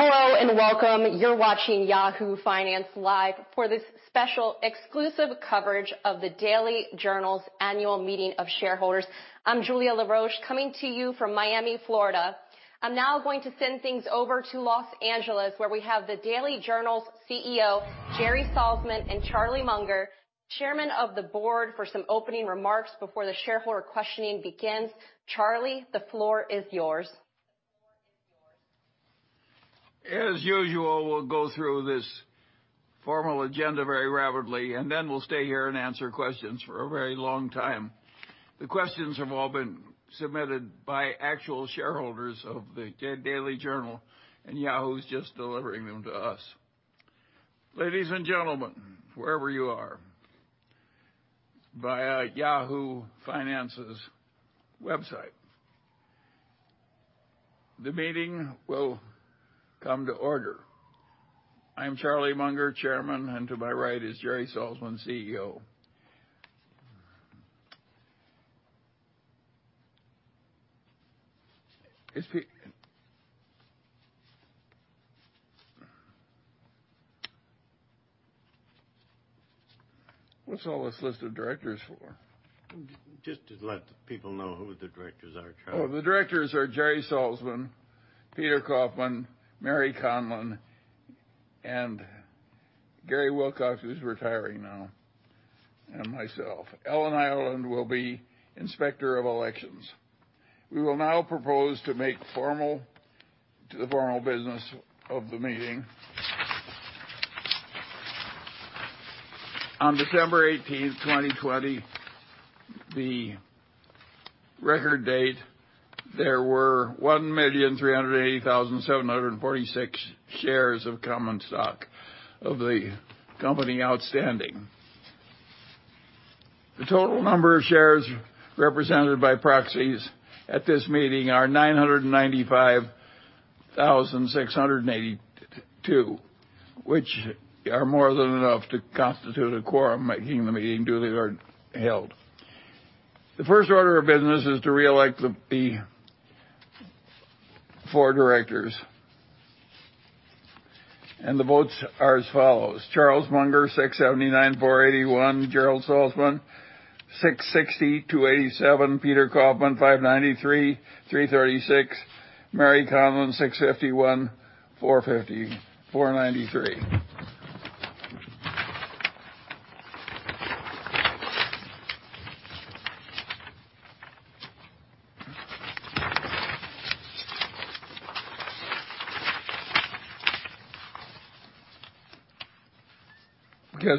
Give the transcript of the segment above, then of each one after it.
Hello and welcome. You're watching Yahoo Finance Live for this special exclusive coverage of The Daily Journal's annual meeting of shareholders. I'm Julia La Roche, coming to you from Miami, Florida. I'm now going to send things over to Los Angeles, where we have the Daily Journal's CEO, Jerry Salzman, and Charlie Munger, Chairman of the Board, for some opening remarks before the shareholder questioning begins. Charlie, the floor is yours. As usual, we'll go through this formal agenda very rapidly, and then we'll stay here and answer questions for a very long time. The questions have all been submitted by actual shareholders of the Daily Journal, and Yahoo's just delivering them to us. Ladies and gentlemen, wherever you are, via Yahoo Finance's website, the meeting will come to order. I'm Charlie Munger, Chairman, and to my right is Jerry Salzman, CEO. What's all this list of directors for? Just to let people know who the directors are, Charlie. Oh, the directors are Jerry Salzman, Peter Kaufman, Mary Conlin, and Gary Wilcox, who's retiring now, and myself. Ellen Ireland will be Inspector of Elections. We will now propose to make formal to the formal business of the meeting. On December 18, 2020, the record date, there were 1,380,746 shares of common stock of the company outstanding. The total number of shares represented by proxies at this meeting are 995,682, which are more than enough to constitute a quorum, making the meeting duly held. The first order of business is to reelect the four directors. The votes are as follows: Charlie Munger, 679,481. Jerry Salzman, 660,287. Peter Kaufman, 593,336. Mary Conlin, 651,493. Because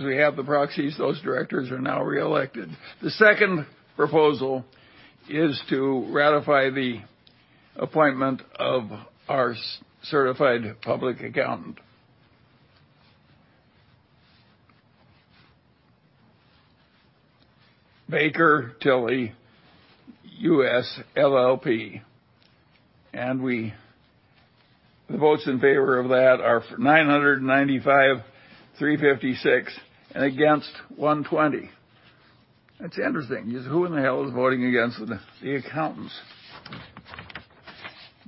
we have the proxies, those directors are now reelected. The second proposal is to ratify the appointment of our certified public accountant, Baker Tilly US, LLP. The votes in favor of that are 995,356, and against, 120. That's interesting, 'cause who in the hell is voting against the accountants?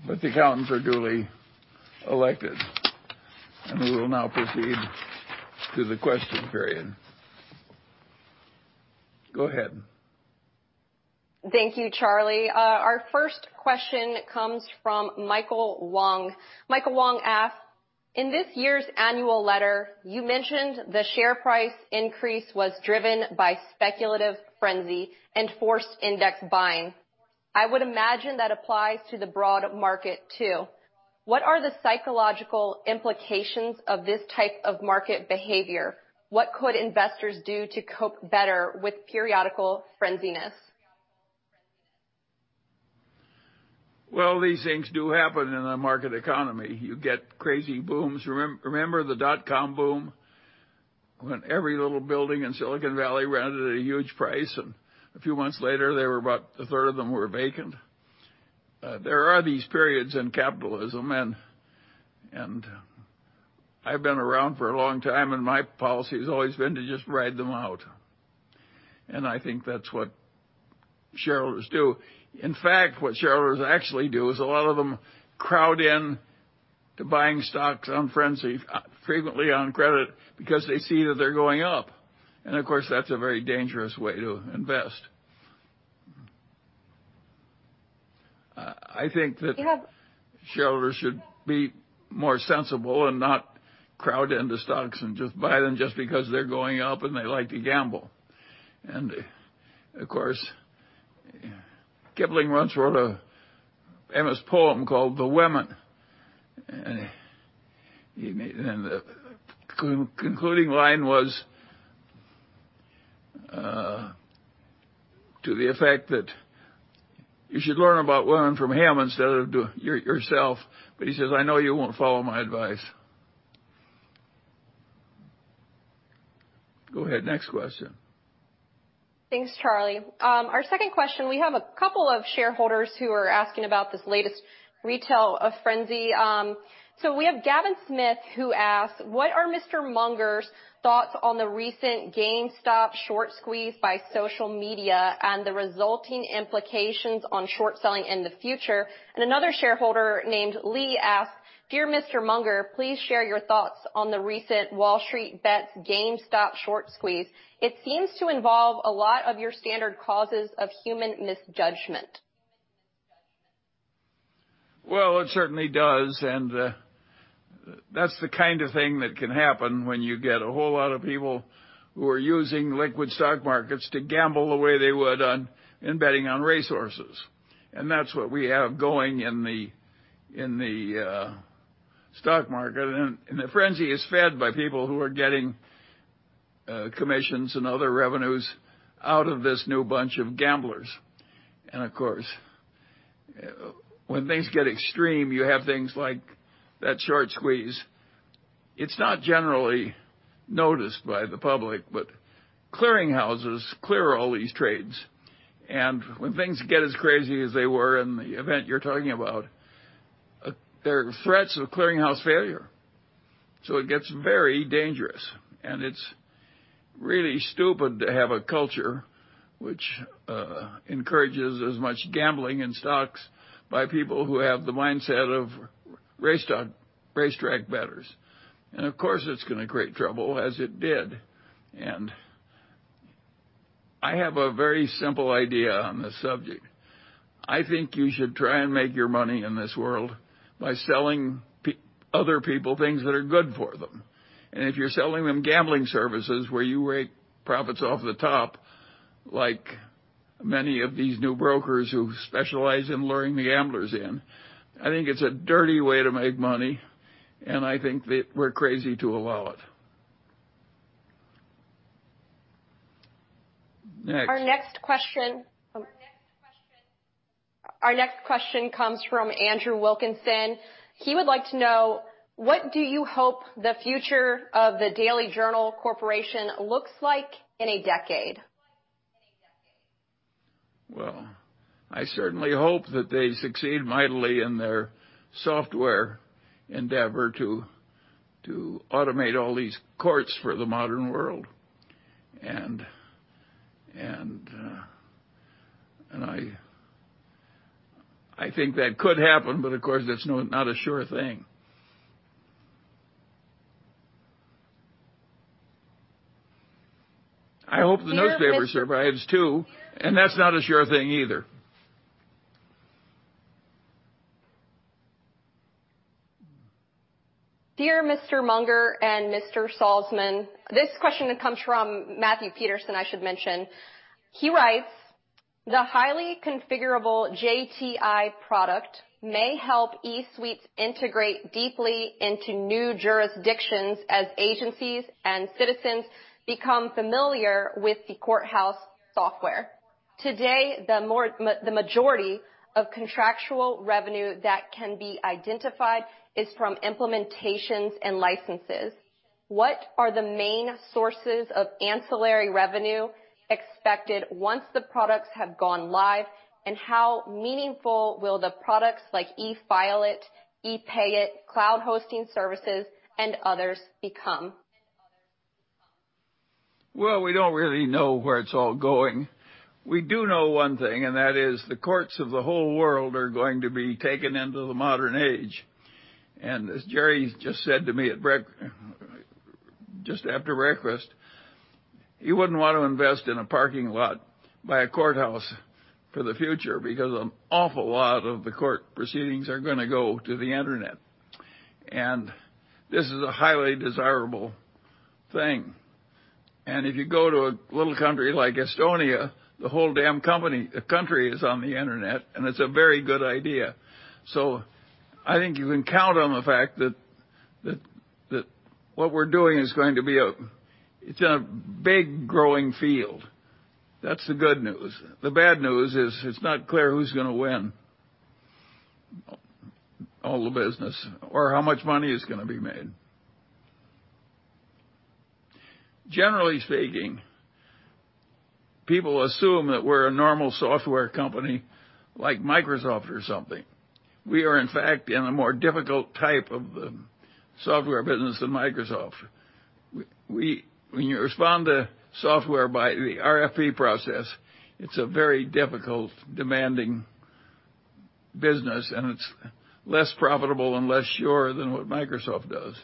The accountants are duly elected, and we will now proceed to the question period. Go ahead. Thank you, Charlie. Our first question comes from Michael Wong. Michael Wong asks, "In this year's annual letter, you mentioned the share price increase was driven by speculative frenzy and forced index buying. I would imagine that applies to the broad market, too. What are the psychological implications of this type of market behavior? What could investors do to cope better with periodical frenziness? Well, these things do happen in a market economy. You get crazy booms. Remember the dot-com boom when every little building in Silicon Valley rented at a huge price, and a few months later, 1/3 of them were vacant? There are these periods in capitalism and I've been around for a long time, and my policy has always been to just ride them out, and I think that's what shareholders do. In fact, what shareholders actually do is a lot of them crowd in to buying stocks on frenzy, frequently on credit, because they see that they're going up. Of course, that's a very dangerous way to invest. You have- Shareholders should be more sensible and not crowd into stocks and just buy them just because they're going up and they like to gamble. Of course, Kipling once wrote a famous poem called "The Women," and he made a concluding line was to the effect that you should learn about women from him instead of yourself, but he says, "I know you won't follow my advice." Go ahead, next question. Thanks, Charlie. Our second question, we have a couple of shareholders who are asking about this latest retail frenzy. We have Gap-Smith, who asks, what are Mr. Munger's thoughts on the recent GameStop short squeeze by social media and the resulting implications on short selling in the future? Another shareholder named Lee asks, "Dear Mr. Munger, please share your thoughts on the recent WallStreetBets GameStop short squeeze. It seems to involve a lot of your standard causes of human misjudgment. Well, it certainly does. That's the kind of thing that can happen when you get a whole lot of people who are using liquid stock markets to gamble the way they would in betting on racehorses. That's what we have going in the stock market. The frenzy is fed by people who are getting commissions and other revenues out of this new bunch of gamblers. Of course, when things get extreme, you have things like that short squeeze. It's not generally noticed by the public, but clearing houses clear all these trades, and when things get as crazy as they were in the event you're talking about, there are threats of clearing house failure. It gets very dangerous, and it's really stupid to have a culture which encourages as much gambling in stocks by people who have the mindset of racetrack bettors. Of course, it's gonna create trouble, as it did. I have a very simple idea on this subject. I think you should try and make your money in this world by selling other people things that are good for them. If you're selling them gambling services where you rake profits off the top, like many of these new brokers who specialize in luring the gamblers in, I think it's a dirty way to make money, and I think that we're crazy to allow it. Next. Our next question comes from Andrew Wilkinson. He would like to know, what do you hope the future of the Daily Journal Corporation looks like in a decade? Well, I certainly hope that they succeed mightily in their software endeavor to automate all these courts for the modern world. I think that could happen, but of course, that's not a sure thing. I hope the newspaper survives too. That's not a sure thing either. Dear Mr. Munger and Mr. Salzman, this question comes from Matthew Peterson, I should mention. He writes, "The highly configurable JTI product may help eSuite integrate deeply into new jurisdictions as agencies and citizens become familiar with the courthouse software. Today, the majority of contractual revenue that can be identified is from implementations and licenses. What are the main sources of ancillary revenue expected once the products have gone live, and how meaningful will the products like eFile-it, ePay-it, cloud hosting services, and others become? Well, we don't really know where it's all going. We do know one thing, that is the courts of the whole world are going to be taken into the modern age. As Jerry just said to me just after breakfast, you wouldn't want to invest in a parking lot by a courthouse for the future because an awful lot of the court proceedings are gonna go to the Internet. This is a highly desirable thing. If you go to a little country like Estonia, the whole damn country is on the Internet, and it's a very good idea. I think you can count on the fact that what we're doing is going to be it's a big growing field. That's the good news. The bad news is it's not clear who's gonna win all the business or how much money is gonna be made. Generally speaking, people assume that we're a normal software company like Microsoft or something. We are, in fact, in a more difficult type of software business than Microsoft. When you respond to software by the RFP process, it's a very difficult, demanding business, and it's less profitable and less sure than what Microsoft does.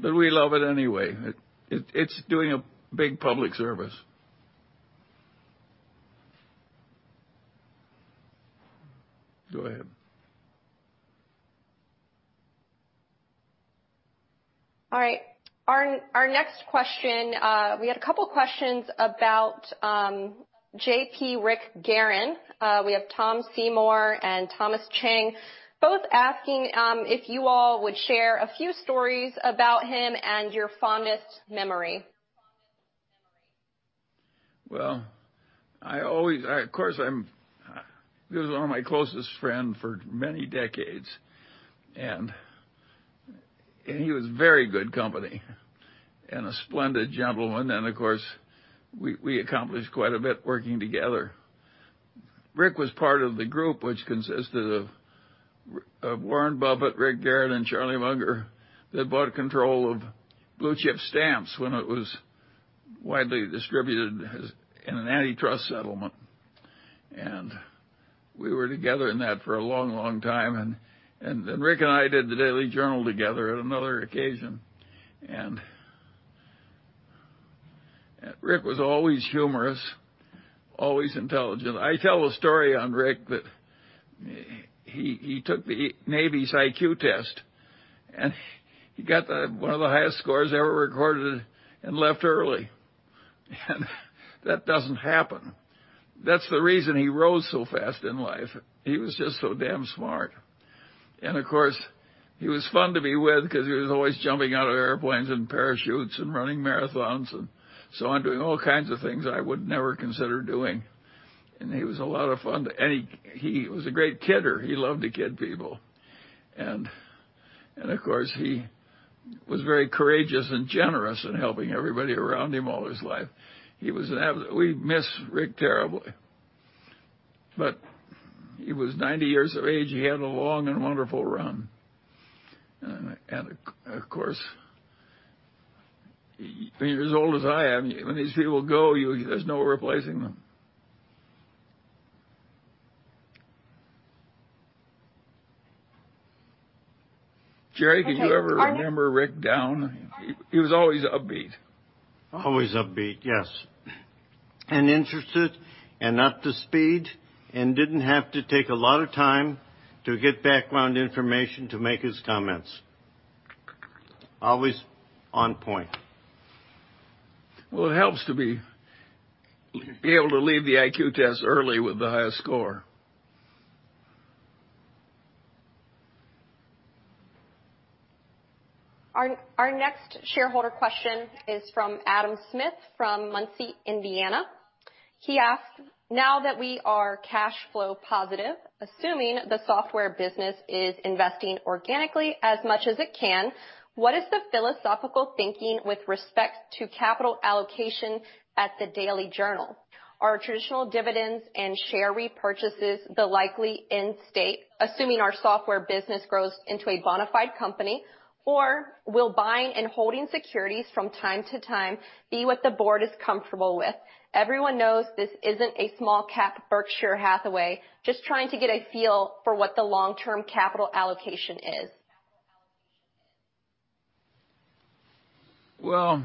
We love it anyway. It's doing a big public service. Go ahead. All right. Our next question, we had a couple questions about J.P. Rick Guerin. We have Tom Seymour and Thomas Chang both asking if you all would share a few stories about him and your fondest memory. Well, he was one of my closest friend for many decades, and he was very good company and a splendid gentleman. Of course, we accomplished quite a bit working together. Rick was part of the group which consisted of Warren Buffett, Rick Guerin, and Charlie Munger, that bought control of Blue Chip Stamps when it was widely distributed as in an antitrust settlement. We were together in that for a long, long time. Then Rick and I did the Daily Journal together on another occasion. Rick was always humorous, always intelligent. I tell a story on Rick that he took the Navy's IQ test, and he got the one of the highest scores ever recorded and left early. That doesn't happen. That's the reason he rose so fast in life. He was just so damn smart. Of course, he was fun to be with 'cause he was always jumping out of airplanes in parachutes and running marathons and so on, doing all kinds of things I would never consider doing. He was a lot of fun. He was a great kidder. He loved to kid people. Of course, he was very courageous and generous in helping everybody around him all his life. We miss Rick terribly. He was 90 years of age. He had a long and wonderful run. Of course, when you're as old as I am, when these people go, there's no replacing them. Jerry. Okay. Can you ever remember Rick down? He was always upbeat. Always upbeat, yes, and interested and up to speed, and didn't have to take a lot of time to get background information to make his comments. Always on point. It helps to be able to leave the IQ test early with the highest score. Our next shareholder question is from Adam Smith from Muncie, Indiana. He asks, "Now that we are cash flow positive, assuming the software business is investing organically as much as it can, what is the philosophical thinking with respect to capital allocation at the Daily Journal? Are traditional dividends and share repurchases the likely end state, assuming our software business grows into a bonafide company? Will buying and holding securities from time to time be what the board is comfortable with? Everyone knows this isn't a small cap Berkshire Hathaway. Just trying to get a feel for what the long-term capital allocation is. Well,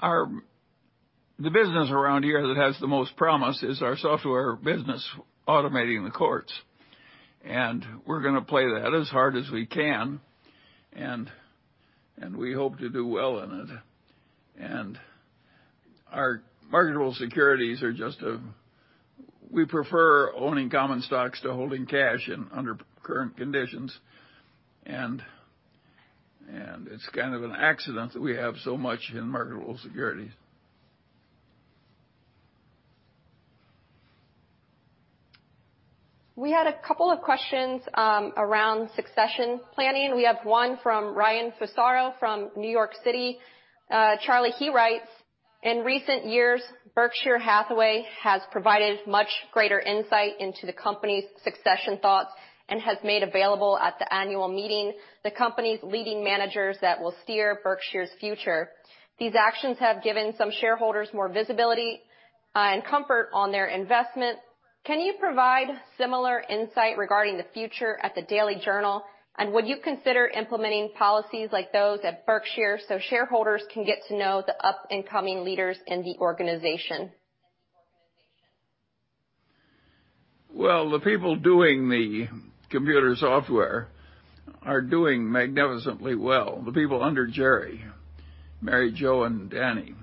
the business around here that has the most promise is our software business automating the courts. We're gonna play that as hard as we can. We hope to do well in it. Our marketable securities are just, We prefer owning common stocks to holding cash in under current conditions. It's kind of an accident that we have so much in marketable securities. We had a couple of questions around succession planning. We have one from Ryan Fusaro from New York City. Charlie, he writes, "In recent years, Berkshire Hathaway has provided much greater insight into the company's succession thoughts and has made available at the annual meeting the company's leading managers that will steer Berkshire's future. These actions have given some shareholders more visibility and comfort on their investment. Can you provide similar insight regarding the future at the Daily Journal? Would you consider implementing policies like those at Berkshire so shareholders can get to know the up-and-coming leaders in the organization? The people doing the computer software are doing magnificently well, the people under Jerry, Mary Jo, and Danny.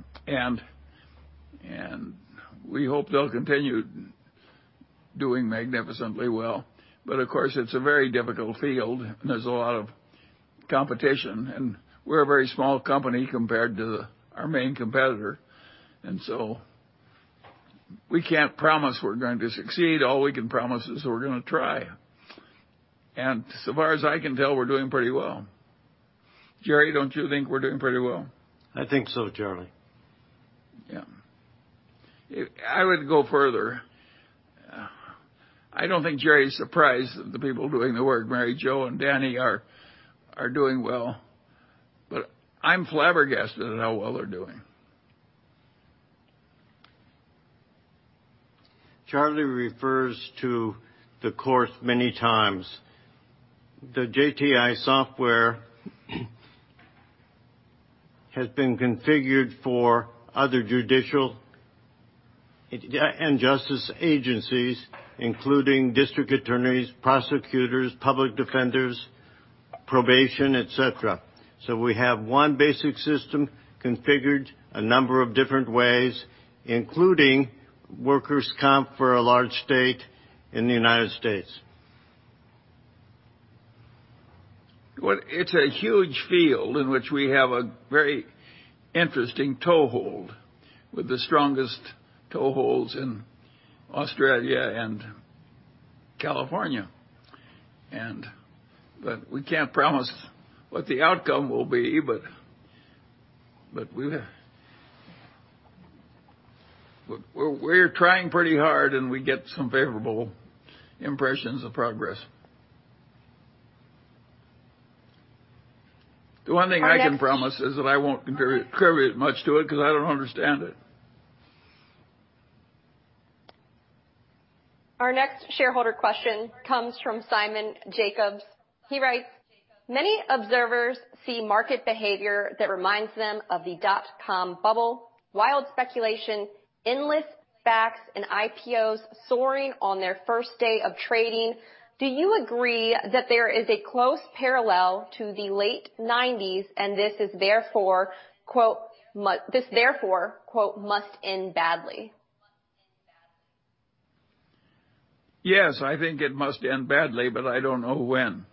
We hope they'll continue doing magnificently well. Of course, it's a very difficult field, and there's a lot of competition, and we're a very small company compared to our main competitor. We can't promise we're going to succeed. All we can promise is we're gonna try. So far as I can tell, we're doing pretty well. Jerry, don't you think we're doing pretty well? I think so, Charlie. Yeah. I would go further. I don't think Jerry's surprised that the people doing the work, Mary Jo and Danny are doing well, but I'm flabbergasted at how well they're doing. Charlie refers to the course many times. The JTI software has been configured for other judicial and justice agencies, including district attorneys, prosecutors, public defenders, probation, et cetera. We have one basic system configured a number of different ways, including workers' comp for a large state in the United States. Well, it's a huge field in which we have a very interesting toehold, with the strongest toeholds in Australia and California. We can't promise what the outcome will be, but we're trying pretty hard, and we get some favorable impressions of progress. The one thing. Our next- I can promise is that I won't contribute much to it because I don't understand it. Our next shareholder question comes from Simon Jacobs. He writes, "Many observers see market behavior that reminds them of the dot-com bubble, wild speculation, endless SPACs, and IPOs soaring on their first day of trading. Do you agree that there is a close parallel to the late 90s and this is therefore, quote, 'Must end badly?' Yes, I think it must end badly, but I don't know when.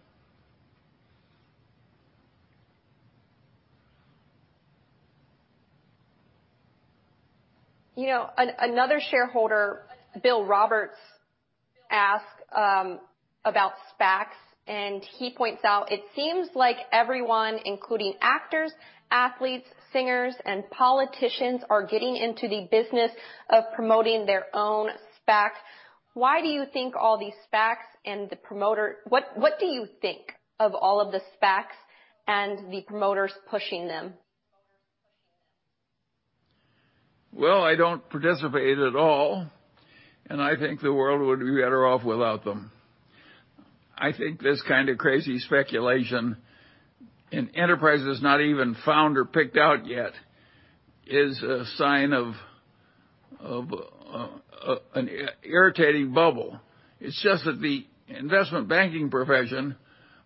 You know, another shareholder, Bill Roberts, asked about SPACs. He points out it seems like everyone, including actors, athletes, singers, and politicians, are getting into the business of promoting their own SPAC. What do you think of all of the SPACs and the promoters pushing them? Well, I don't participate at all, and I think the world would be better off without them. I think this kind of crazy speculation in enterprises not even found or picked out yet is a sign of an irritating bubble. It's just that the investment banking profession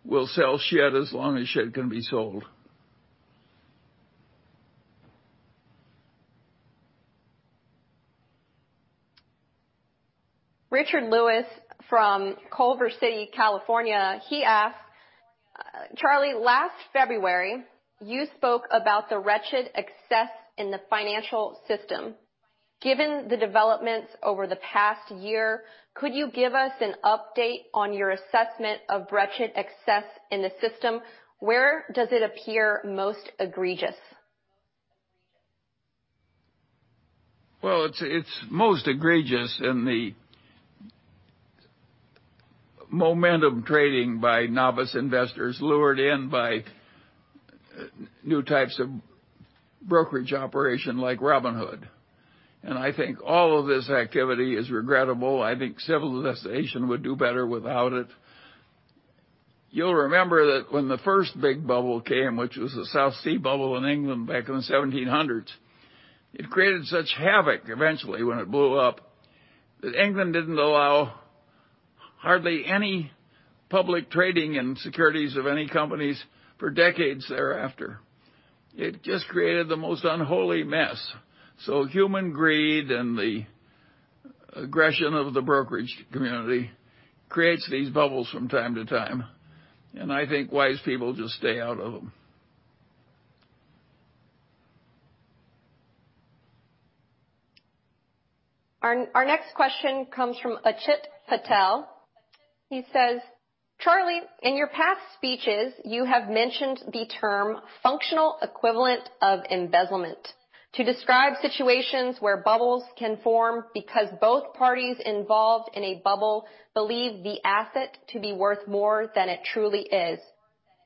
will sell Shit as long as shit can be sold. Richard Lewis from Culver City, California, he asked, "Charlie, last February, you spoke about the wretched excess in the financial system. Given the developments over the past year, could you give us an update on your assessment of wretched excess in the system? Where does it appear most egregious? It's most egregious in the momentum trading by novice investors lured in by new types of brokerage operation like Robinhood. I think all of this activity is regrettable. I think civilization would do better without it. You'll remember that when the first big bubble came, which was the South Sea Bubble in England back in the 1700s, it created such havoc eventually when it blew up, that England didn't allow hardly any public trading and securities of any companies for decades thereafter. It just created the most unholy mess. Human greed and the aggression of the brokerage community creates these bubbles from time to time, and I think wise people just stay out of them. Our next question comes from Akshit Patel. He says, "Charlie, in your past speeches, you have mentioned the term functional equivalent of embezzlement to describe situations where bubbles can form because both parties involved in a bubble believe the asset to be worth more than it truly is.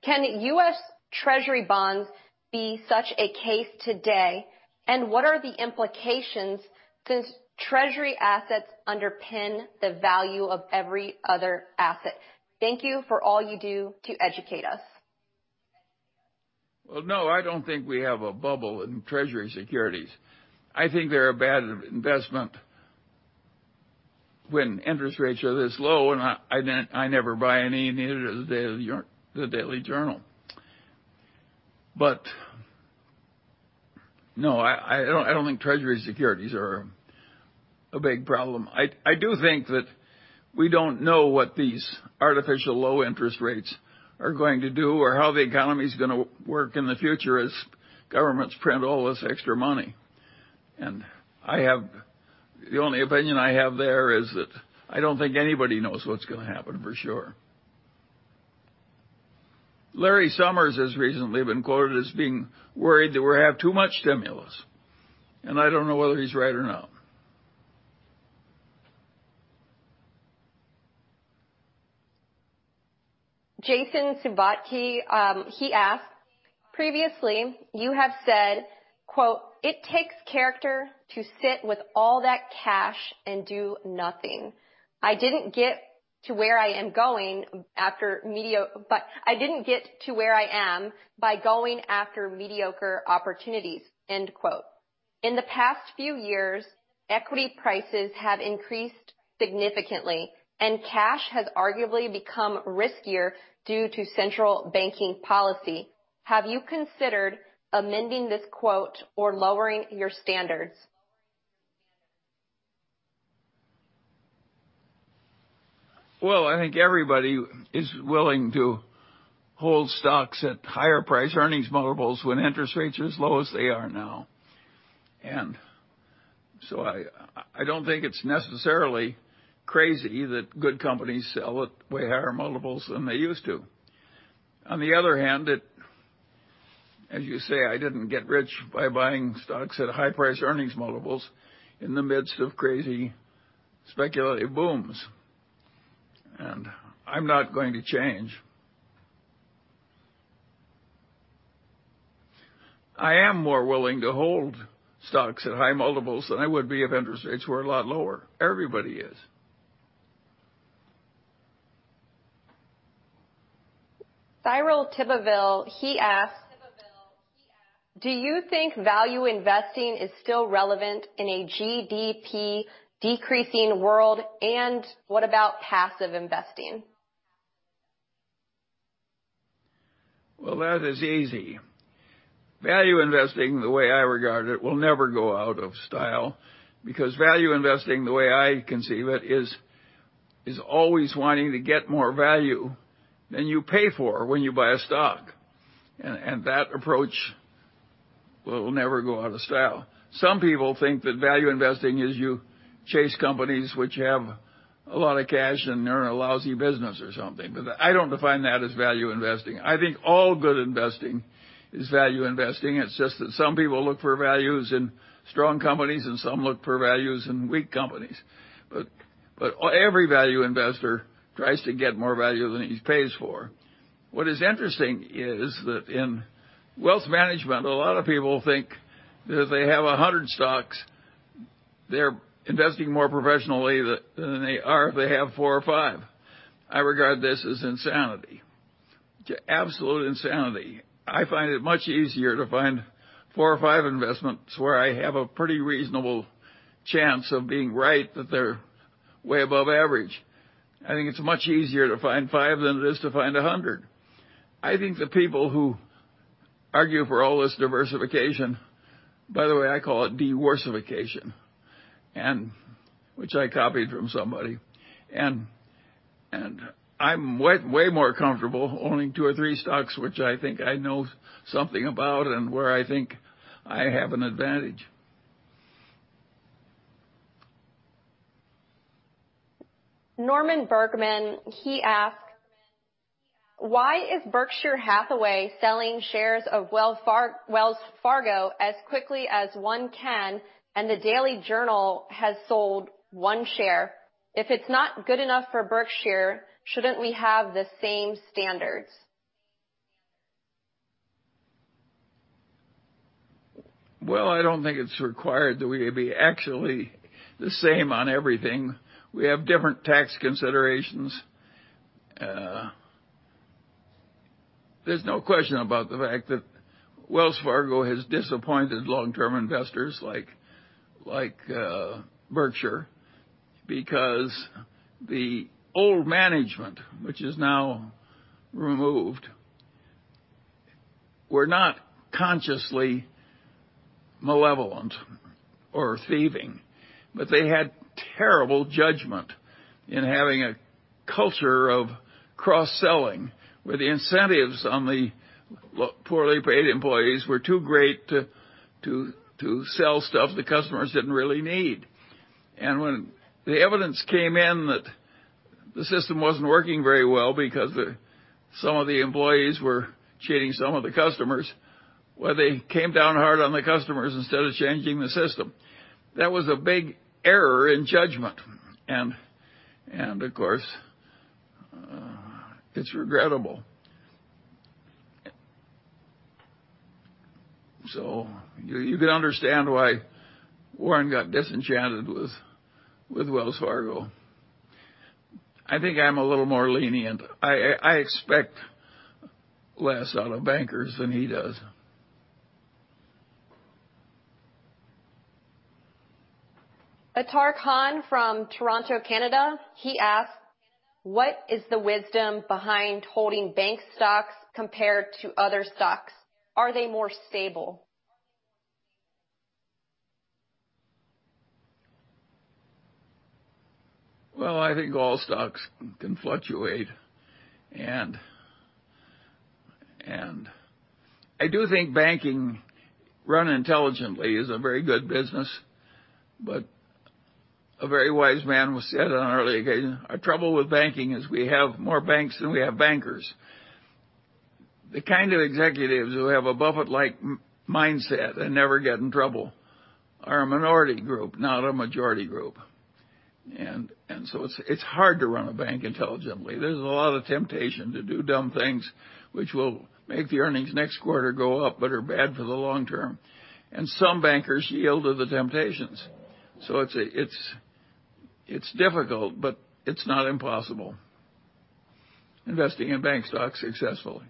Can U.S. Treasury bonds be such a case today? What are the implications since Treasury assets underpin the value of every other asset? Thank you for all you do to educate us. No, I don't think we have a bubble in Treasury securities. I think they're a bad investment when interest rates are this low, and I never buy any, neither does The Daily Journal. No, I don't think Treasury securities are a big problem. I do think that we don't know what these artificial low interest rates are going to do or how the economy is gonna work in the future as governments print all this extra money. I have The only opinion I have there is that I don't think anybody knows what's gonna happen for sure. Larry Summers has recently been quoted as being worried that we have too much stimulus, and I don't know whether he's right or not. Jason Subotky, he asked, "Previously, you have said, quote, 'It takes character to sit with all that cash and do nothing. But I didn't get to where I am by going after mediocre opportunities.' End quote. In the past few years, equity prices have increased significantly, and cash has arguably become riskier due to central banking policy. Have you considered amending this quote or lowering your standards? Well, I think everybody is willing to hold stocks at higher price-earnings multiples when interest rates are low as they are now. I don't think it's necessarily crazy that good companies sell at way higher multiples than they used to. On the other hand, as you say, I didn't get rich by buying stocks at high price-earnings multiples in the midst of crazy speculative booms. I'm not going to change. I am more willing to hold stocks at high multiples than I would be if interest rates were a lot lower. Everybody is. Cyril Abiteboul, he asks, "Do you think value investing is still relevant in a GDP decreasing world? What about passive investing? Well, that is easy. Value investing, the way I regard it, will never go out of style because value investing, the way I conceive it, is always wanting to get more value than you pay for when you buy a stock. That approach will never go out of style. Some people think that value investing is you chase companies which have a lot of cash and they're in a lousy business or something. I don't define that as value investing. I think all good investing is value investing. It's just that some people look for values in strong companies, and some look for values in weak companies. Every value investor tries to get more value than he pays for. What is interesting is that in wealth management, a lot of people think that if they have 100 stocks, they're investing more professionally than they are if they have four or five. I regard this as insanity. Absolute insanity. I find it much easier to find four or five investments where I have a pretty reasonable chance of being right, that they're way above average. I think it's much easier to find five than it is to find 100. I think the people who argue for all this diversification, by the way, I call it diworsification, which I copied from somebody. I'm way more comfortable owning two or three stocks, which I think I know something about and where I think I have an advantage. Norman Bergman, he asks, "Why is Berkshire Hathaway selling shares of Wells Fargo as quickly as one can and the Daily Journal has sold one share? If it's not good enough for Berkshire, shouldn't we have the same standards? Well, I don't think it's required that we be actually the same on everything. We have different tax considerations. There's no question about the fact that Wells Fargo has disappointed long-term investors like Berkshire because the old management, which is now removed, were not consciously malevolent or thieving, but they had terrible judgment in having a culture of cross-selling, where the incentives on the poorly paid employees were too great to sell stuff the customers didn't really need. When the evidence came in that the system wasn't working very well because some of the employees were cheating some of the customers, well, they came down hard on the customers instead of changing the system. That was a big error in judgment. Of course, it's regrettable. You can understand why Warren got disenchanted with Wells Fargo. I think I'm a little more lenient. I expect less out of bankers than he does. Athar Khan from Toronto, Canada, he asks, "What is the wisdom behind holding bank stocks compared to other stocks? Are they more stable? Well, I think all stocks can fluctuate. I do think banking run intelligently is a very good business. A very wise man once said on an earlier occasion, "Our trouble with banking is we have more banks than we have bankers." The kind of executives who have a Buffett-like mindset and never get in trouble are a minority group, not a majority group. It's hard to run a bank intelligently. There's a lot of temptation to do dumb things which will make the earnings next quarter go up, but are bad for the long term. Some bankers yield to the temptations. It's difficult, but it's not impossible investing in bank stocks successfully.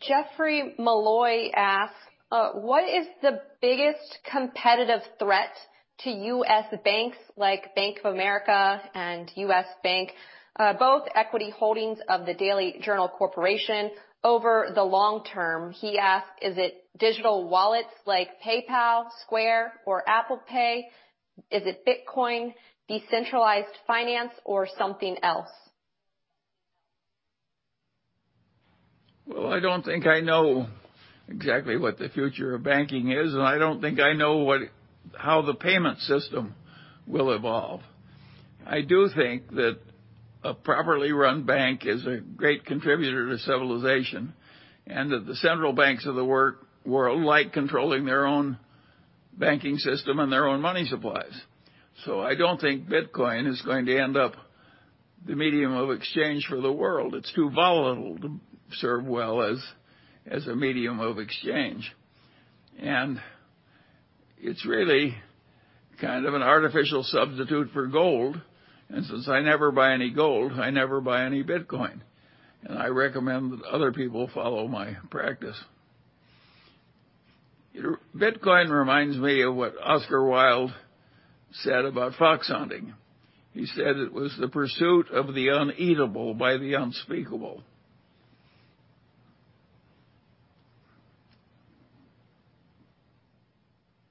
Jeffrey Malloy asks, "What is the biggest competitive threat to U.S. banks like Bank of America and U.S. Bank?" Both equity holdings of the Daily Journal Corporation over the long term. He asks, is it digital wallets like PayPal, Square, or Apple Pay? Is it Bitcoin, decentralized finance, or something else? Well, I don't think I know exactly what the future of banking is, and I don't think I know how the payment system will evolve. I do think that a properly run bank is a great contributor to civilization, and that the central banks of the world like controlling their own banking system and their own money supplies. I don't think Bitcoin is going to end up the medium of exchange for the world. It's too volatile to serve well as a medium of exchange. It's really kind of an artificial substitute for gold, and since I never buy any gold, I never buy any Bitcoin, and I recommend that other people follow my practice. Bitcoin reminds me of what Oscar Wilde said about fox hunting. He said it was the pursuit of the uneatable by the unspeakable.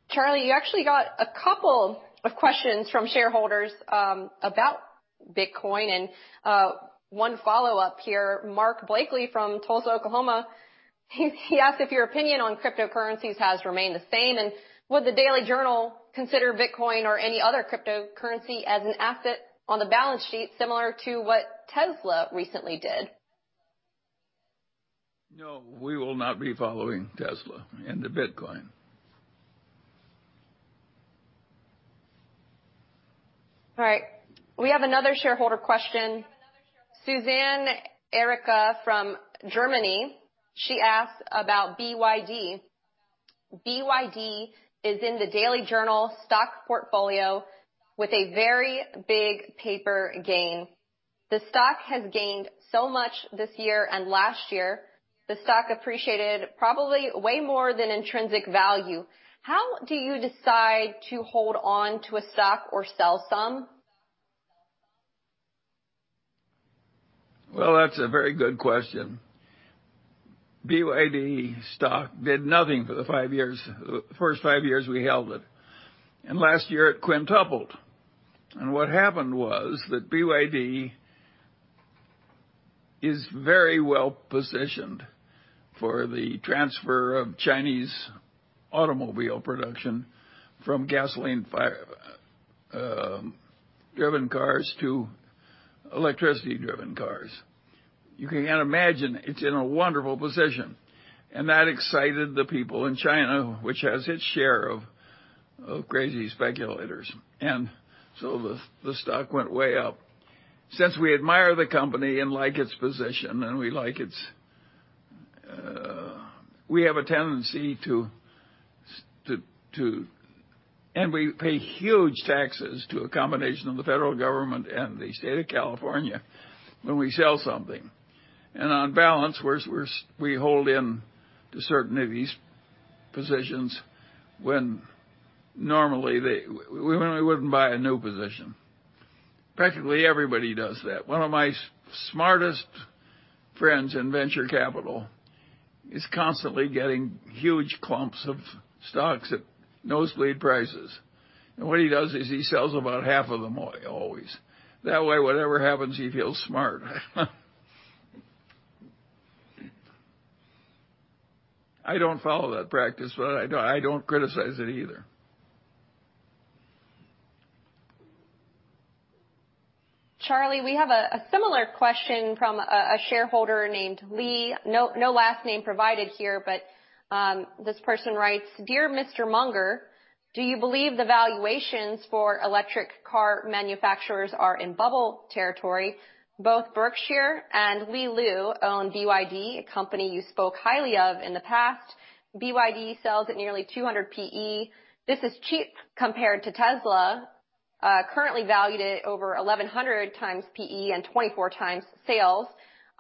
Charlie, you actually got a couple of questions from shareholders about Bitcoin and one follow-up here. Mark Blakely from Tulsa, Oklahoma. He asked if your opinion on cryptocurrencies has remained the same, and would the Daily Journal consider Bitcoin or any other cryptocurrency as an asset on the balance sheet, similar to what Tesla recently did? No, we will not be following Tesla into Bitcoin. All right. We have another shareholder question. Suzanne Erica from Germany. She asks about BYD. BYD is in the Daily Journal stock portfolio with a very big paper gain. The stock has gained so much this year and last year. The stock appreciated probably way more than intrinsic value. How do you decide to hold on to a stock or sell some? Well, that's a very good question. BYD stock did nothing for the first five years we held it, last year it quintupled. What happened was that BYD is very well-positioned for the transfer of Chinese automobile production from gasoline-driven cars to electricity-driven cars. You can imagine it's in a wonderful position, and that excited the people in China, which has its share of crazy speculators. So the stock went way up. Since we admire the company and like its position. We pay huge taxes to a combination of the federal government and the state of California when we sell something. On balance, we hold in to certain of these positions when normally when we wouldn't buy a new position. Practically everybody does that. One of my smartest friends in venture capital is constantly getting huge clumps of stocks at nosebleed prices. What he does is he sells about half of them always. That way, whatever happens, he feels smart. I don't follow that practice, but I don't criticize it either. Charlie, we have a similar question from a shareholder named Lee. No last name provided here, but this person writes, "Dear Mr. Munger, do you believe the valuations for electric car manufacturers are in bubble territory? Both Berkshire and Li Lu own BYD, a company you spoke highly of in the past. BYD sells at nearly 200 PE. This is cheap compared to Tesla, currently valued at over 1,100 times PE and 24 times sales.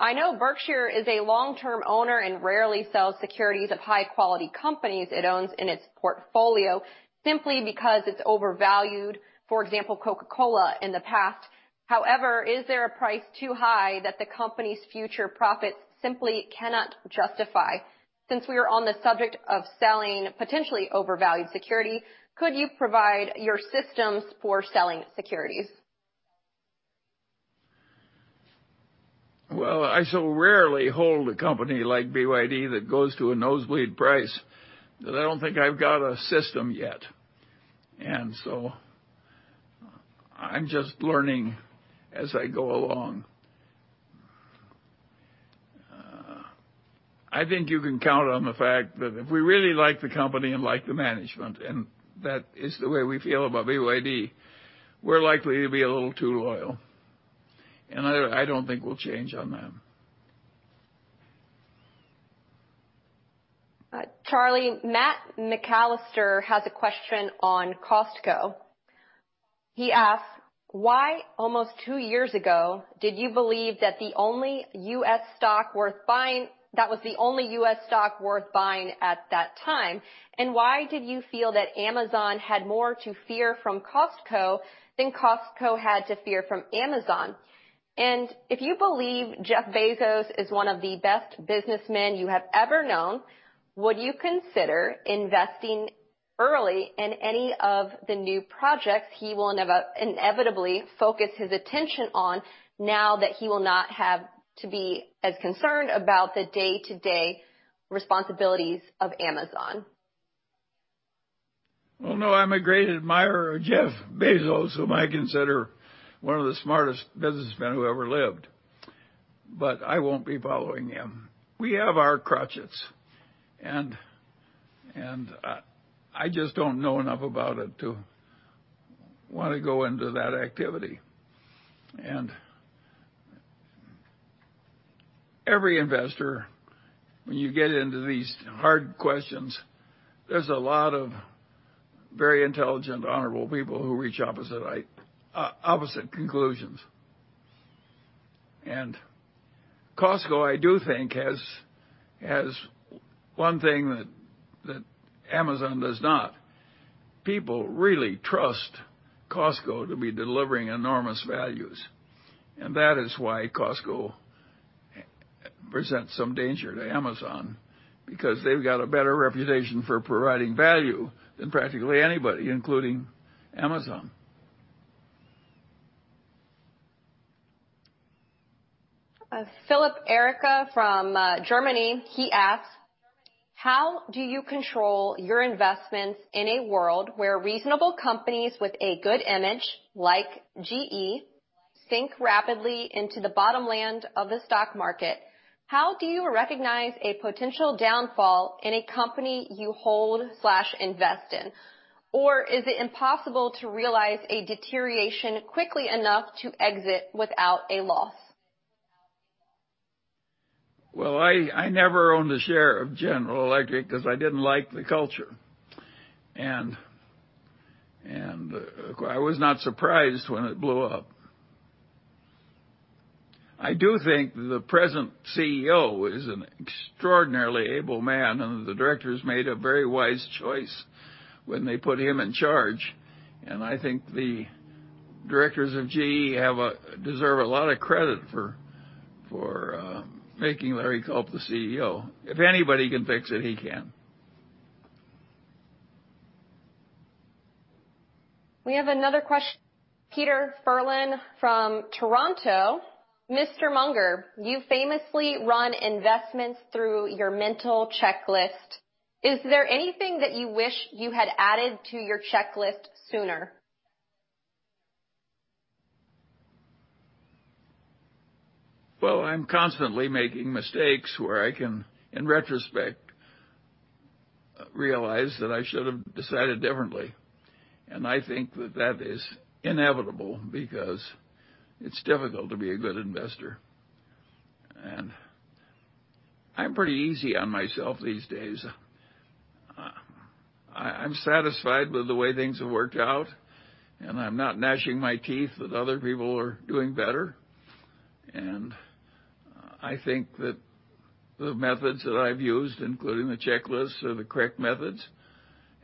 I know Berkshire is a long-term owner and rarely sells securities of high-quality companies it owns in its portfolio simply because it's overvalued. For example, Coca-Cola in the past. Is there a price too high that the company's future profits simply cannot justify? Since we are on the subject of selling potentially overvalued security, could you provide your systems for selling securities? Well, I so rarely hold a company like BYD that goes to a nosebleed price that I don't think I've got a system yet. I'm just learning as I go along. I think you can count on the fact that if we really like the company and like the management, and that is the way we feel about BYD, we're likely to be a little too loyal. I don't think we'll change on that. Charlie, Matt McAllister has a question on Costco. He asks, why almost two years ago did you believe that the only U.S. stock worth buying at that time? Why did you feel that Amazon had more to fear from Costco than Costco had to fear from Amazon? If you believe Jeff Bezos is one of the best businessmen you have ever known, would you consider investing early in any of the new projects he will inevitably focus his attention on now that he will not have to be as concerned about the day-to-day responsibilities of Amazon? Well, no, I'm a great admirer of Jeff Bezos, whom I consider one of the smartest businessmen who ever lived, but I won't be following him. We have our crutches, and I just don't know enough about it to wanna go into that activity. Every investor, when you get into these hard questions, there's a lot of very intelligent, honorable people who reach opposite conclusions. Costco, I do think, has one thing that Amazon does not. People really trust Costco to be delivering enormous values, and that is why Costco presents some danger to Amazon, because they've got a better reputation for providing value than practically anybody, including Amazon. Philip Ertel from Germany, he asks, How do you control your investments in a world where reasonable companies with a good image, like GE, sink rapidly into the bottom land of the stock market? How do you recognize a potential downfall in a company you hold/invest in? Or is it impossible to realize a deterioration quickly enough to exit without a loss? Well, I never owned a share of General Electric because I didn't like the culture. I was not surprised when it blew up. I do think the present CEO is an extraordinarily able man, and the directors made a very wise choice when they put him in charge. I think the directors of GE deserve a lot of credit for making Larry Culp the CEO. If anybody can fix it, he can. We have another question. Peter Ferlin from Toronto. Mr. Munger, you famously run investments through your mental checklist. Is there anything that you wish you had added to your checklist sooner? Well, I'm constantly making mistakes where I can, in retrospect, realize that I should have decided differently. I think that that is inevitable because it's difficult to be a good investor. I'm pretty easy on myself these days. I'm satisfied with the way things have worked out, and I'm not gnashing my teeth that other people are doing better. I think that the methods that I've used, including the checklist, are the correct methods.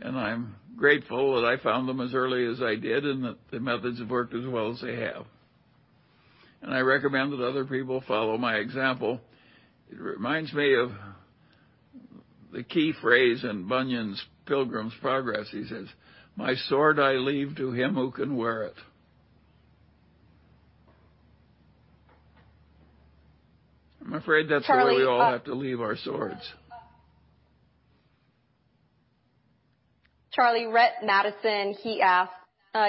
I'm grateful that I found them as early as I did, and that the methods have worked as well as they have. I recommend that other people follow my example. It reminds me of the key phrase in Bunyan's Pilgrim's Progress. He says, "My sword I leave to him who can wear it. Charlie- We all have to leave our swords. Charlie, Rhett Madison, he asks,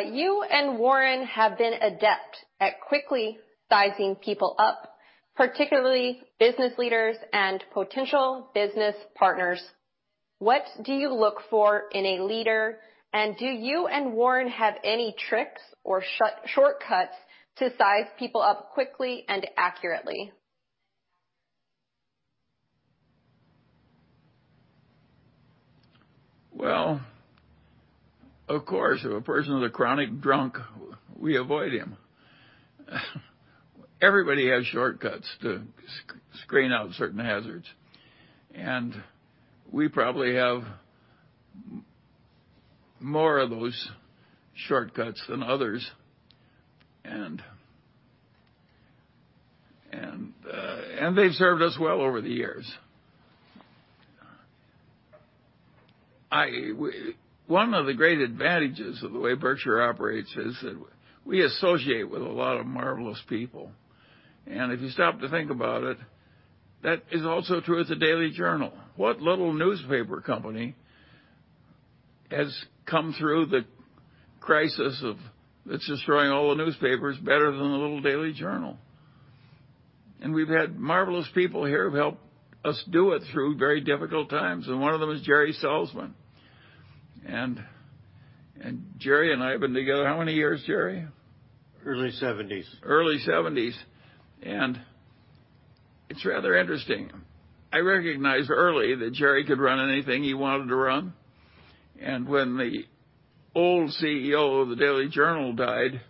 you and Warren have been adept at quickly sizing people up, particularly business leaders and potential business partners. What do you look for in a leader? Do you and Warren have any tricks or shortcuts to size people up quickly and accurately? Well, of course, if a person is a chronic drunk, we avoid him. Everybody has shortcuts to screen out certain hazards. We probably have more of those shortcuts than others. They've served us well over the years. One of the great advantages of the way Berkshire operates is that we associate with a lot of marvelous people. If you stop to think about it, that is also true with the Daily Journal. What little newspaper company has come through the crisis that's destroying all the newspapers better than the little Daily Journal? We've had marvelous people here who helped us do it through very difficult times, and one of them is Jerry Salzman. Jerry and I have been together how many years, Jerry? Early 70s. Early 70s. It's rather interesting. I recognized early that Jerry could run anything he wanted to run. When the old CEO of the Daily Journal died,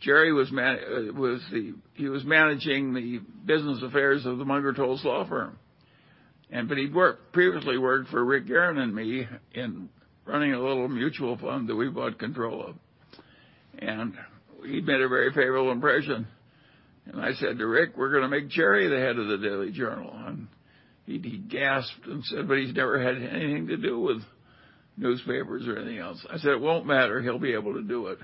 Jerry was managing the business affairs of the Munger, Tolles law firm. But he'd previously worked for Rick Guerin and me in running a little mutual fund that we bought control of. He'd made a very favorable impression. I said to Rick, "We're gonna make Jerry the head of the Daily Journal." He gasped and said, "But he's never had anything to do with newspapers or anything else." I said, "It won't matter. He'll be able to do it."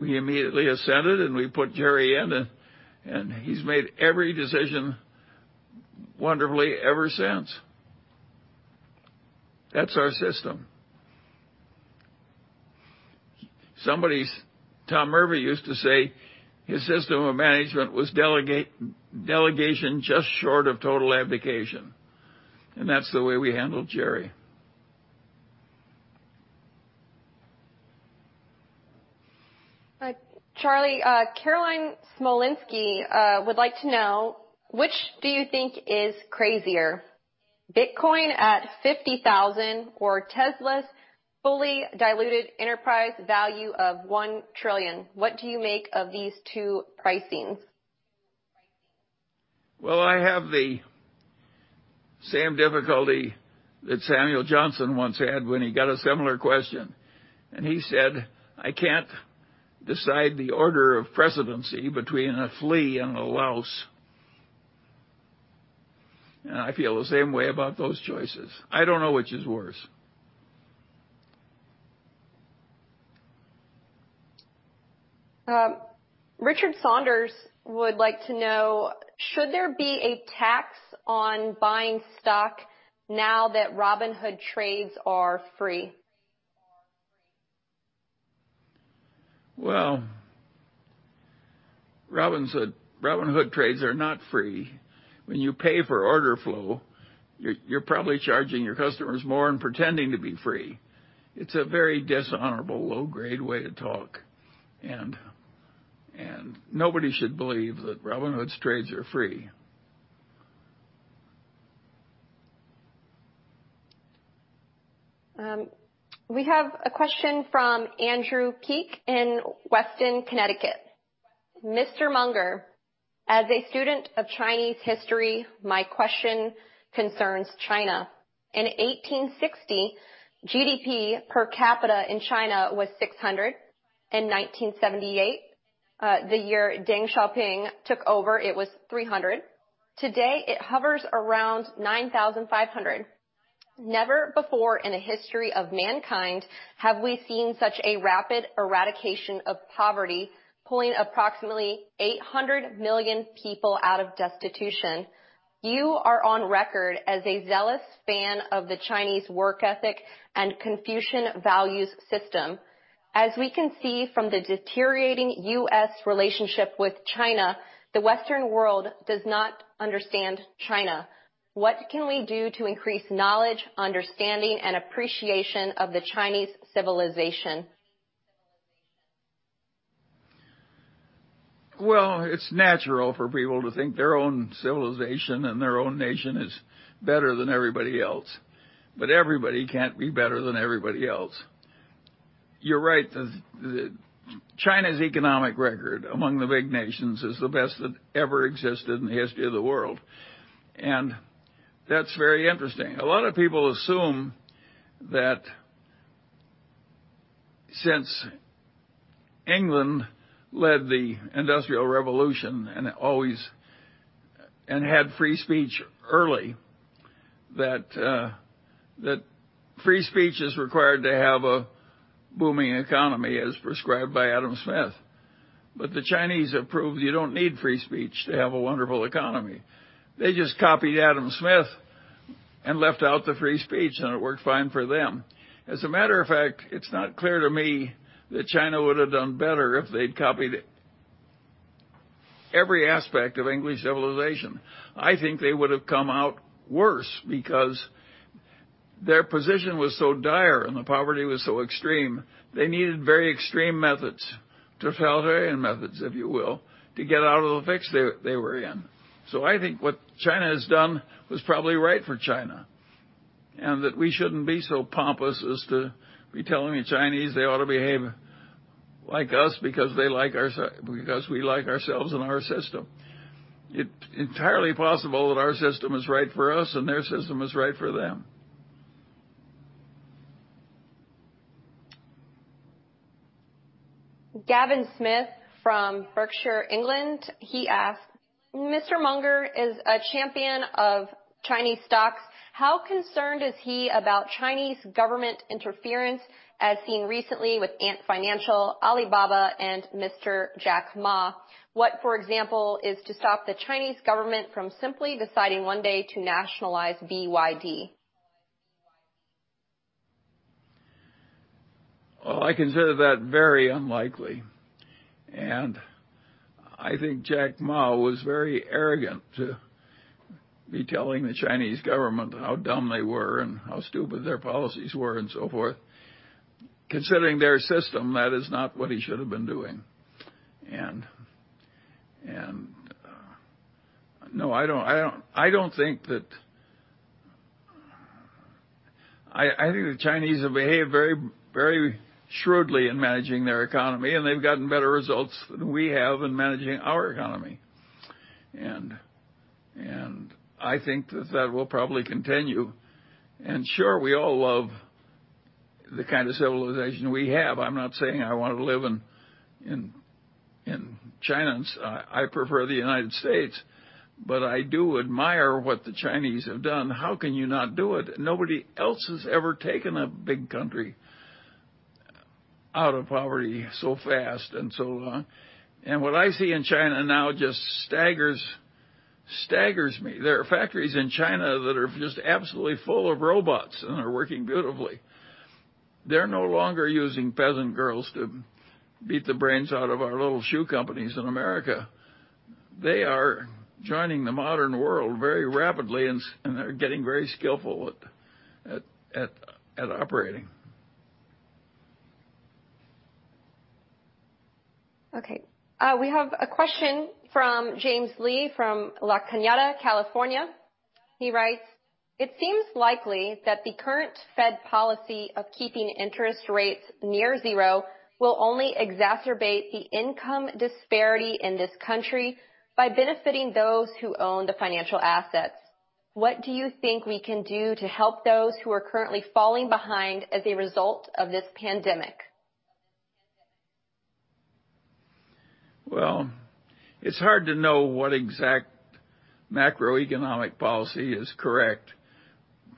He immediately ascended, and we put Jerry in, and he's made every decision wonderfully ever since. That's our system. Somebody Tom Murphy used to say his system of management was delegation just short of total abdication, and that's the way we handled Jerry. Charlie, Caroline Smolinski would like to know, which do you think is crazier, Bitcoin at $50,000 or Tesla's fully diluted enterprise value of $1 trillion? What do you make of these two pricings? Well, I have the same difficulty that Samuel Johnson once had when he got a similar question, and he said, "I can't decide the order of precedency between a flea and a louse." I feel the same way about those choices. I don't know which is worse. Richard Saunders would like to know, should there be a tax on buying stock now that Robinhood trades are free? Well, Robinhood trades are not free. When you pay for order flow, you're probably charging your customers more and pretending to be free. It's a very dishonorable, low-grade way to talk, and nobody should believe that Robinhood's trades are free. We have a question from Andrew Peak in Weston, Connecticut. Mr. Munger, as a student of Chinese history, my question concerns China. In 1860, GDP per capita in China was $600. In 1978, the year Deng Xiaoping took over, it was $300. Today, it hovers around $9,500. Never before in the history of mankind have we seen such a rapid eradication of poverty, pulling approximately 800 million people out of destitution. You are on record as a zealous fan of the Chinese work ethic and Confucian values system. As we can see from the deteriorating U.S. relationship with China, the Western world does not understand China. What can we do to increase knowledge, understanding, and appreciation of the Chinese civilization? Well, it's natural for people to think their own civilization and their own nation is better than everybody else, but everybody can't be better than everybody else. You're right. China's economic record among the big nations is the best that ever existed in the history of the world, and that's very interesting. A lot of people assume that since England led the Industrial Revolution and had free speech early, that free speech is required to have a booming economy as prescribed by Adam Smith. The Chinese have proved you don't need free speech to have a wonderful economy. They just copied Adam Smith and left out the free speech, and it worked fine for them. As a matter of fact, it's not clear to me that China would have done better if they'd copied every aspect of English civilization. I think they would have come out worse because their position was so dire and the poverty was so extreme. They needed very extreme methods, totalitarian methods, if you will, to get out of the fix they were in. I think what China has done was probably right for China, and that we shouldn't be so pompous as to be telling the Chinese they ought to behave like us because we like ourselves and our system. Entirely possible that our system is right for us and their system is right for them. Gavin Smith from Berkshire, England, he asks, Mr. Munger is a champion of Chinese stocks. How concerned is he about Chinese government interference as seen recently with Ant Financial, Alibaba, and Mr. Jack Ma? What, for example, is to stop the Chinese government from simply deciding one day to nationalize BYD? Well, I consider that very unlikely, and I think Jack Ma was very arrogant to be telling the Chinese government how dumb they were and how stupid their policies were and so forth. Considering their system, that is not what he should have been doing. No, I don't think that I think the Chinese have behaved very, very shrewdly in managing their economy, and they've gotten better results than we have in managing our economy. I think that that will probably continue. Sure, we all love the kind of civilization we have. I'm not saying I want to live in China. I prefer the United States, but I do admire what the Chinese have done. How can you not do it? Nobody else has ever taken a big country out of poverty so fast and so. What I see in China now just staggers me. There are factories in China that are just absolutely full of robots and are working beautifully. They're no longer using peasant girls to beat the brains out of our little shoe companies in America. They are joining the modern world very rapidly and they're getting very skillful at operating. Okay. We have a question from James Lee from La Canada, California. He writes, "It seems likely that the current Fed policy of keeping interest rates near zero will only exacerbate the income disparity in this country by benefiting those who own the financial assets. What do you think we can do to help those who are currently falling behind as a result of this pandemic? Well, it's hard to know what exact macroeconomic policy is correct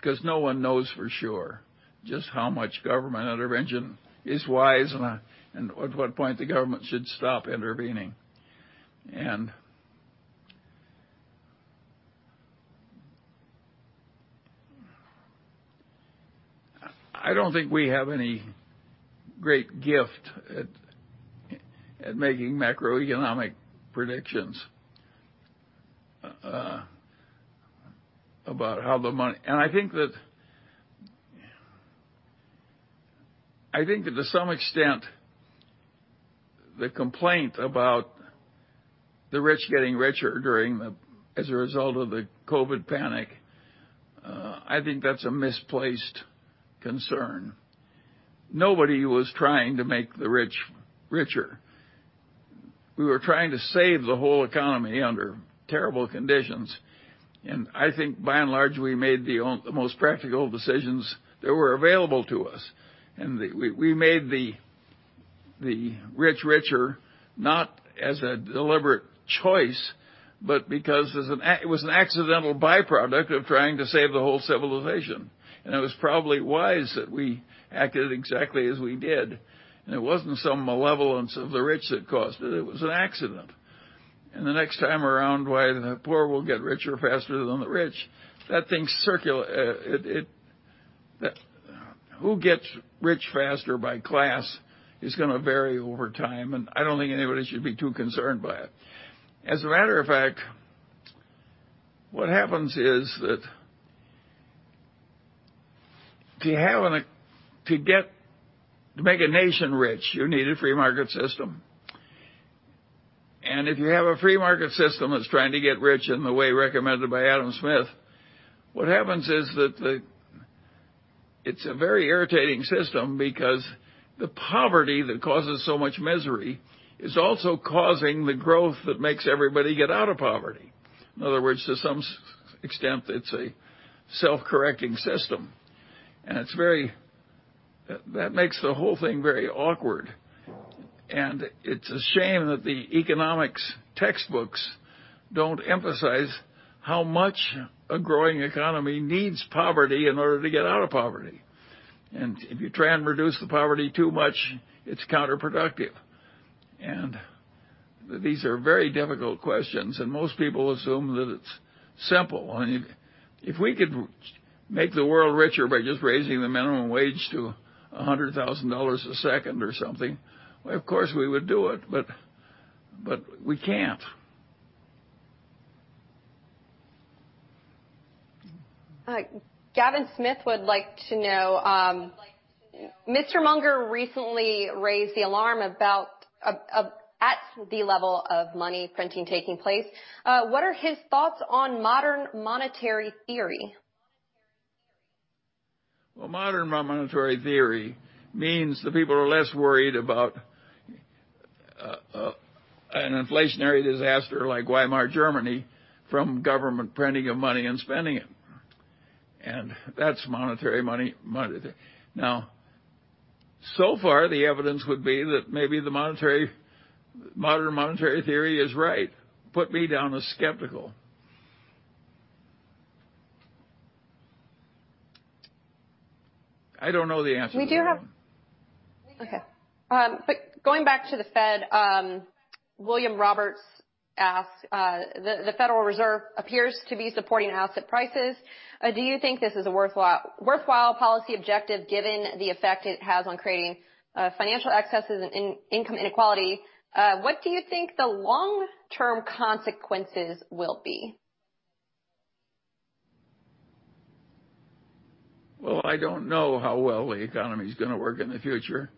because no one knows for sure just how much government intervention is wise and at what point the government should stop intervening. I don't think we have any great gift at making macroeconomic predictions. I think that to some extent, the complaint about the rich getting richer as a result of the COVID panic, I think that's a misplaced concern. Nobody was trying to make the rich richer. We were trying to save the whole economy under terrible conditions, and I think by and large, we made the most practical decisions that were available to us. We made the rich richer, not as a deliberate choice, but because it was an accidental byproduct of trying to save the whole civilization. It was probably wise that we acted exactly as we did. It wasn't some malevolence of the rich that caused it. It was an accident. The next time around, the poor will get richer faster than the rich. Who gets rich faster by class is gonna vary over time, and I don't think anybody should be too concerned by it. As a matter of fact, what happens is that to make a nation rich, you need a free market system. If you have a free market system that's trying to get rich in the way recommended by Adam Smith, what happens is that it's a very irritating system because the poverty that causes so much misery is also causing the growth that makes everybody get out of poverty. In other words, to some extent, it's a self-correcting system, and it's very that makes the whole thing very awkward. It's a shame that the economics textbooks don't emphasize how much a growing economy needs poverty in order to get out of poverty. If you try and reduce the poverty too much, it's counterproductive. These are very difficult questions, and most people assume that it's simple. I mean, if we could make the world richer by just raising the minimum wage to $100,000 a second or something, of course, we would do it, but we can't. Gavin Smith would like to know, Mr. Munger recently raised the alarm at the level of money printing taking place. What are his thoughts on Modern Monetary Theory? Well, modern monetary theory means the people are less worried about an inflationary disaster like Weimar Germany from government printing of money and spending it. That's Modern Monetary Theory. So far, the evidence would be that maybe Modern Monetary Theory is right. Put me down as skeptical. I don't know the answer to that one. But going back to the Fed, William Roberts asked, the Federal Reserve appears to be supporting asset prices. Do you think this is a worthwhile policy objective given the effect it has on creating financial excesses in income inequality? What do you think the long-term consequences will be? Well, I don't know how well the economy is gonna work in the future.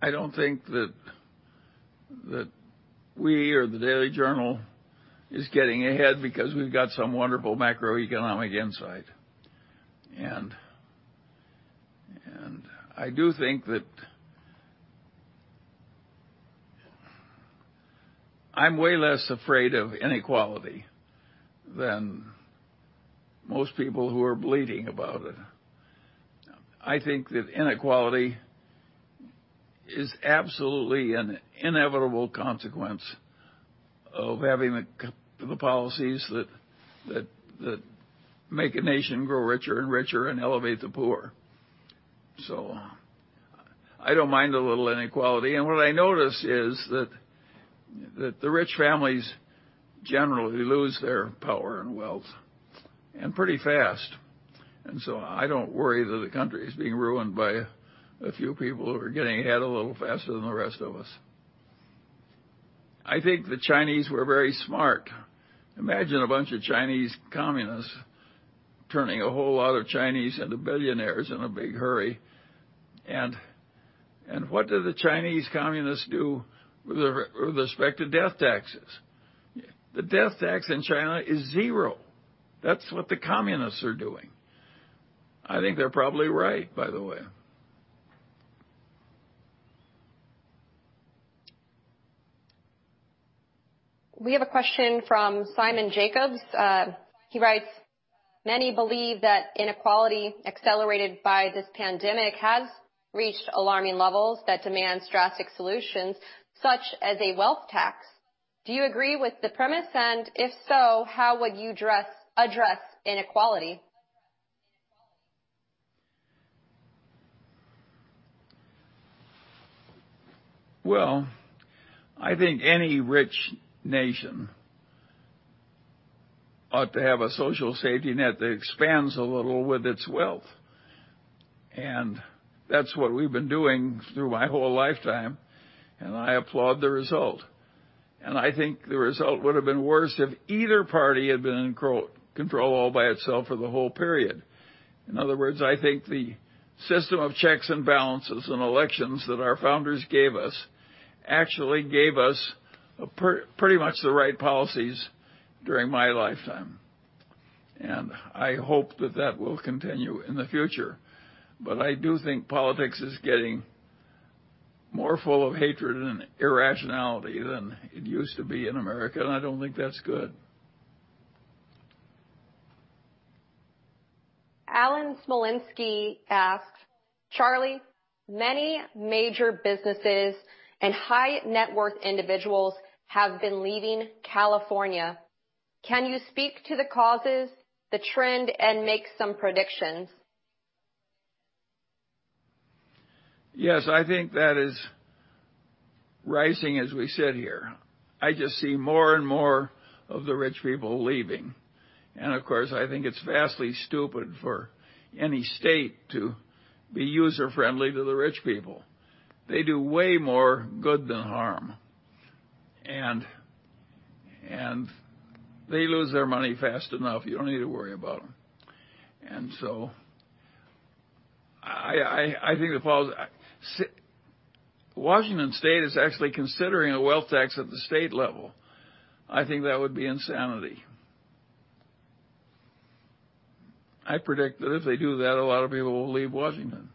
I don't think that we or the Daily Journal is getting ahead because we've got some wonderful macroeconomic insight. I do think that I'm way less afraid of inequality than most people who are bleating about it. I think that inequality is absolutely an inevitable consequence of having the policies that make a nation grow richer and richer and elevate the poor. I don't mind a little inequality. What I notice is that the rich families generally lose their power and wealth, and pretty fast. I don't worry that the country is being ruined by a few people who are getting ahead a little faster than the rest of us. I think the Chinese were very smart. Imagine a bunch of Chinese communists turning a whole lot of Chinese into billionaires in a big hurry. What do the Chinese communists do with respect to death taxes? The death tax in China is zero. That's what the communists are doing. I think they're probably right, by the way. We have a question from Simon Jacobs. He writes, "Many believe that inequality accelerated by this pandemic has reached alarming levels that demands drastic solutions such as a wealth tax. Do you agree with the premise, and if so, how would you address inequality? Well, I think any rich nation ought to have a social safety net that expands a little with its wealth. That's what we've been doing through my whole lifetime, and I applaud the result. I think the result would have been worse if either party had been in control all by itself for the whole period. In other words, I think the system of checks and balances and elections that our founders gave us actually gave us a pretty much the right policies during my lifetime. I hope that that will continue in the future. I do think politics is getting more full of hatred and irrationality than it used to be in America, and I don't think that's good. Alan Smolinski asked, "Charlie, many major businesses and high net worth individuals have been leaving California. Can you speak to the causes, the trend, and make some predictions? Yes, I think that is rising as we sit here. I just see more and more of the rich people leaving. Of course, I think it's vastly stupid for any state to be user-friendly to the rich people. They do way more good than harm, and they lose their money fast enough. You don't need to worry about them. I think Washington State is actually considering a wealth tax at the state level. I think that would be insanity. I predict that if they do that, a lot of people will leave Washington.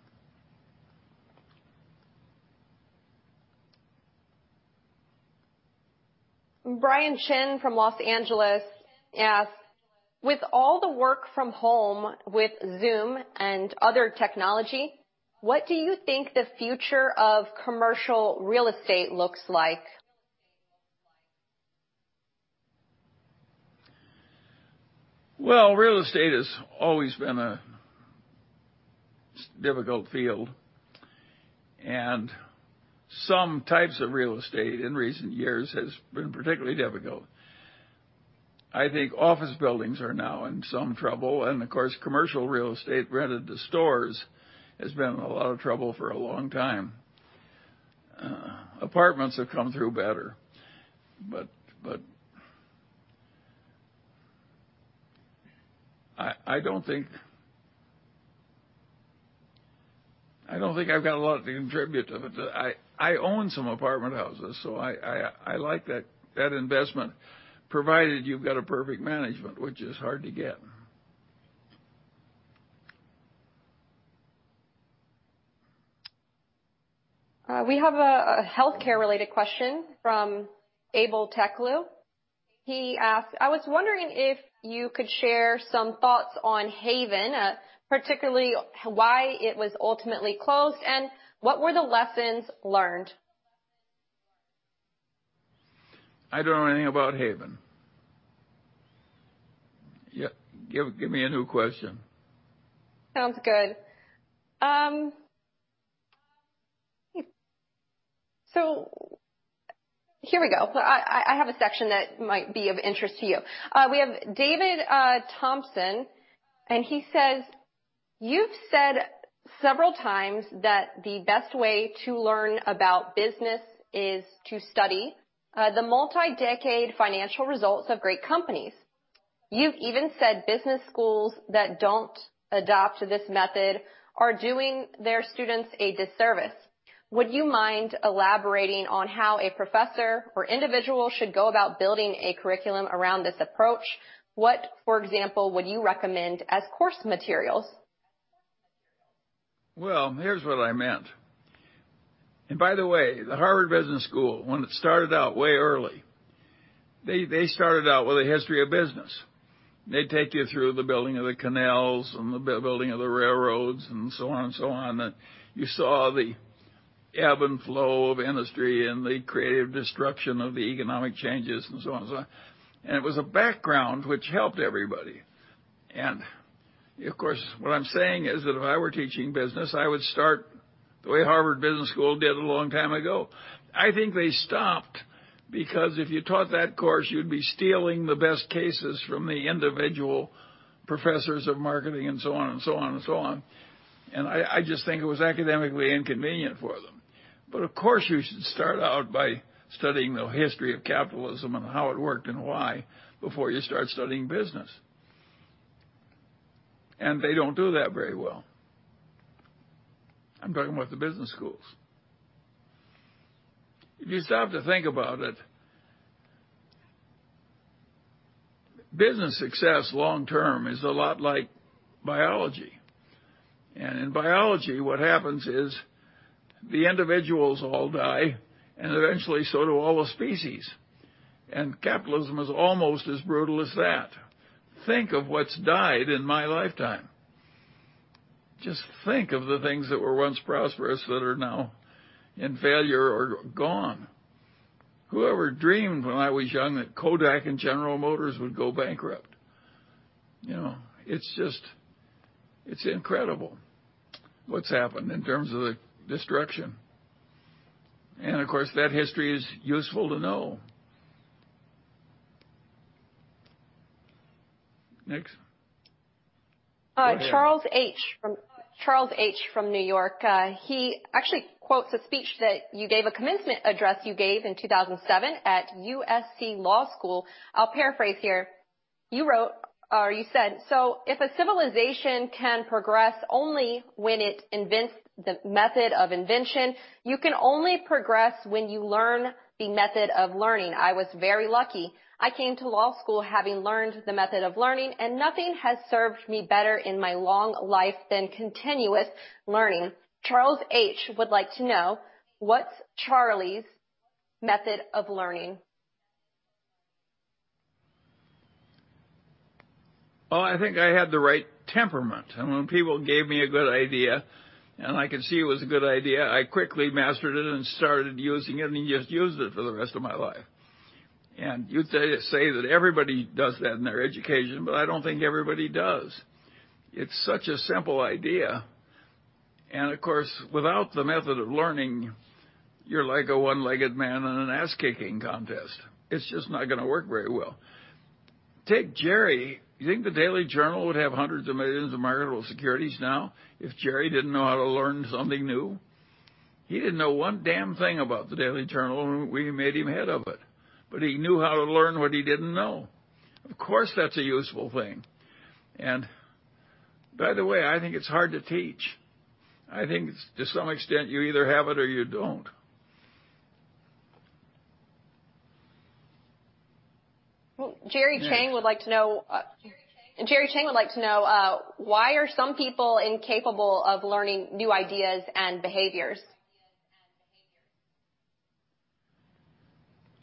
Brian Chen from Los Angeles asks, "With all the work from home with Zoom and other technology, what do you think the future of commercial real estate looks like? Real estate has always been a difficult field, and some types of real estate in recent years has been particularly difficult. I think office buildings are now in some trouble, and of course, commercial real estate rented to stores has been in a lot of trouble for a long time. Apartments have come through better. I don't think I've got a lot to contribute to it. I own some apartment houses, so I, I like that investment, provided you've got a perfect management, which is hard to get. We have a healthcare related question from Abel Teklu. He asks, "I was wondering if you could share some thoughts on Haven, particularly why it was ultimately closed, and what were the lessons learned? I don't know anything about Haven. Yeah, give me a new question. Sounds good. Here we go. I have a section that might be of interest to you. We have David Thompson, and he says. You've said several times that the best way to learn about business is to study the multi-decade financial results of great companies. You've even said business schools that don't adopt this method are doing their students a disservice. Would you mind elaborating on how a professor or individual should go about building a curriculum around this approach? What, for example, would you recommend as course materials? Well, here's what I meant. By the way, the Harvard Business School, when it started out way early, they started out with a history of business. They'd take you through the building of the canals and the building of the railroads and so on and so on. You saw the ebb and flow of industry and the creative destruction of the economic changes and so on and so on. It was a background which helped everybody. Of course, what I'm saying is that if I were teaching business, I would start the way Harvard Business School did a long time ago. I think they stopped because if you taught that course, you'd be stealing the best cases from the individual professors of marketing and so on and so on. I just think it was academically inconvenient for them. Of course, you should start out by studying the history of capitalism and how it worked and why before you start studying business. They don't do that very well. I'm talking about the business schools. If you stop to think about it, business success long term is a lot like biology. In biology, what happens is the individuals all die, and eventually so do all the species. Capitalism is almost as brutal as that. Think of what's died in my lifetime. Just think of the things that were once prosperous that are now in failure or gone. Whoever dreamed when I was young that Kodak and General Motors would go bankrupt? You know, it's just incredible what's happened in terms of the destruction. Of course, that history is useful to know. Next. Charlie H. from New York, he actually quotes a speech that you gave, a commencement address you gave in 2007 at USC Law School. I'll paraphrase here. You wrote or you said, "If a civilization can progress only when it invents the method of invention, you can only progress when you learn the method of learning. I was very lucky. I came to law school having learned the method of learning, and nothing has served me better in my long life than continuous learning." Charlie H. would like to know, what's Charlie's method of learning? Well, I think I had the right temperament. When people gave me a good idea, I could see it was a good idea, I quickly mastered it and started using it, and just used it for the rest of my life. You'd say that everybody does that in their education, but I don't think everybody does. It's such a simple idea. Of course, without the method of learning, you're like a one-legged man in an ass-kicking contest. It's just not gonna work very well. Take Jerry. You think the Daily Journal would have hundreds of millions of marketable securities now if Jerry didn't know how to learn something new? He didn't know one damn thing about the Daily Journal when we made him head of it. He knew how to learn what he didn't know. Of course, that's a useful thing. By the way, I think it's hard to teach. I think to some extent you either have it or you don't. Well, Jerry Chang would like to know, why are some people incapable of learning new ideas and behaviors?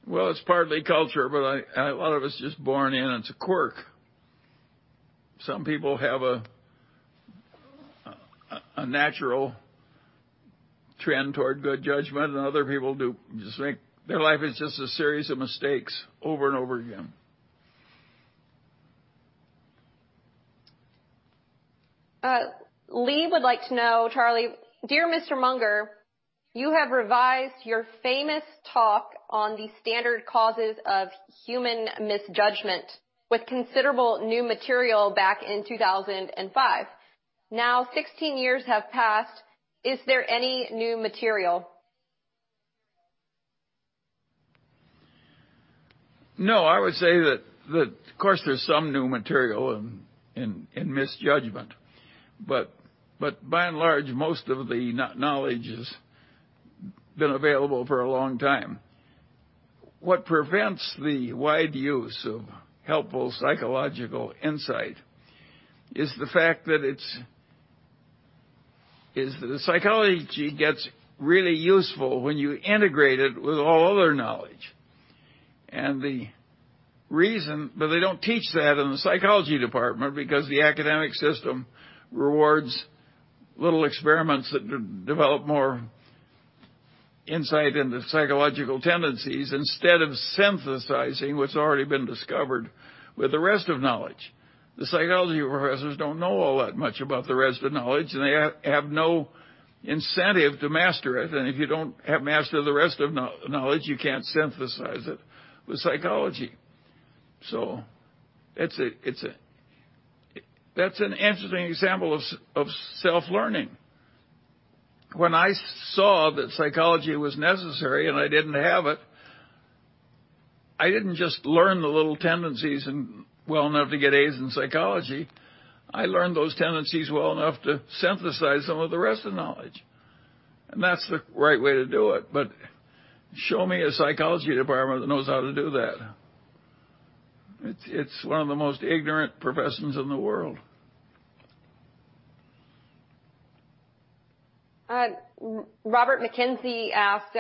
Well, it's partly culture, but a lot of it's just born in. It's a quirk. Some people have a natural trend toward good judgment, and other people just make their life is just a series of mistakes over and over again. Lee would like to know, Charlie, "Dear Mr. Munger, you have revised your famous talk on the standard causes of human misjudgment with considerable new material back in 2005. Now 16 years have passed. Is there any new material? No, I would say that, of course, there's some new material in Misjudgment, but by and large, most of the knowledge has been available for a long time. What prevents the wide use of helpful psychological insight is the fact that psychology gets really useful when you integrate it with all other knowledge. They don't teach that in the psychology department because the academic system rewards little experiments that develop more insight into psychological tendencies instead of synthesizing what's already been discovered with the rest of knowledge. The psychology professors don't know all that much about the rest of the knowledge, and they have no incentive to master it. If you don't have master the rest of knowledge, you can't synthesize it with psychology. That's an interesting example of self-learning. When I saw that psychology was necessary and I didn't have it, I didn't just learn the little tendencies and well enough to get A's in psychology. I learned those tendencies well enough to synthesize some of the rest of the knowledge, and that's the right way to do it. Show me a psychology department that knows how to do that. It's one of the most ignorant professions in the world. Robert McKenzie asked,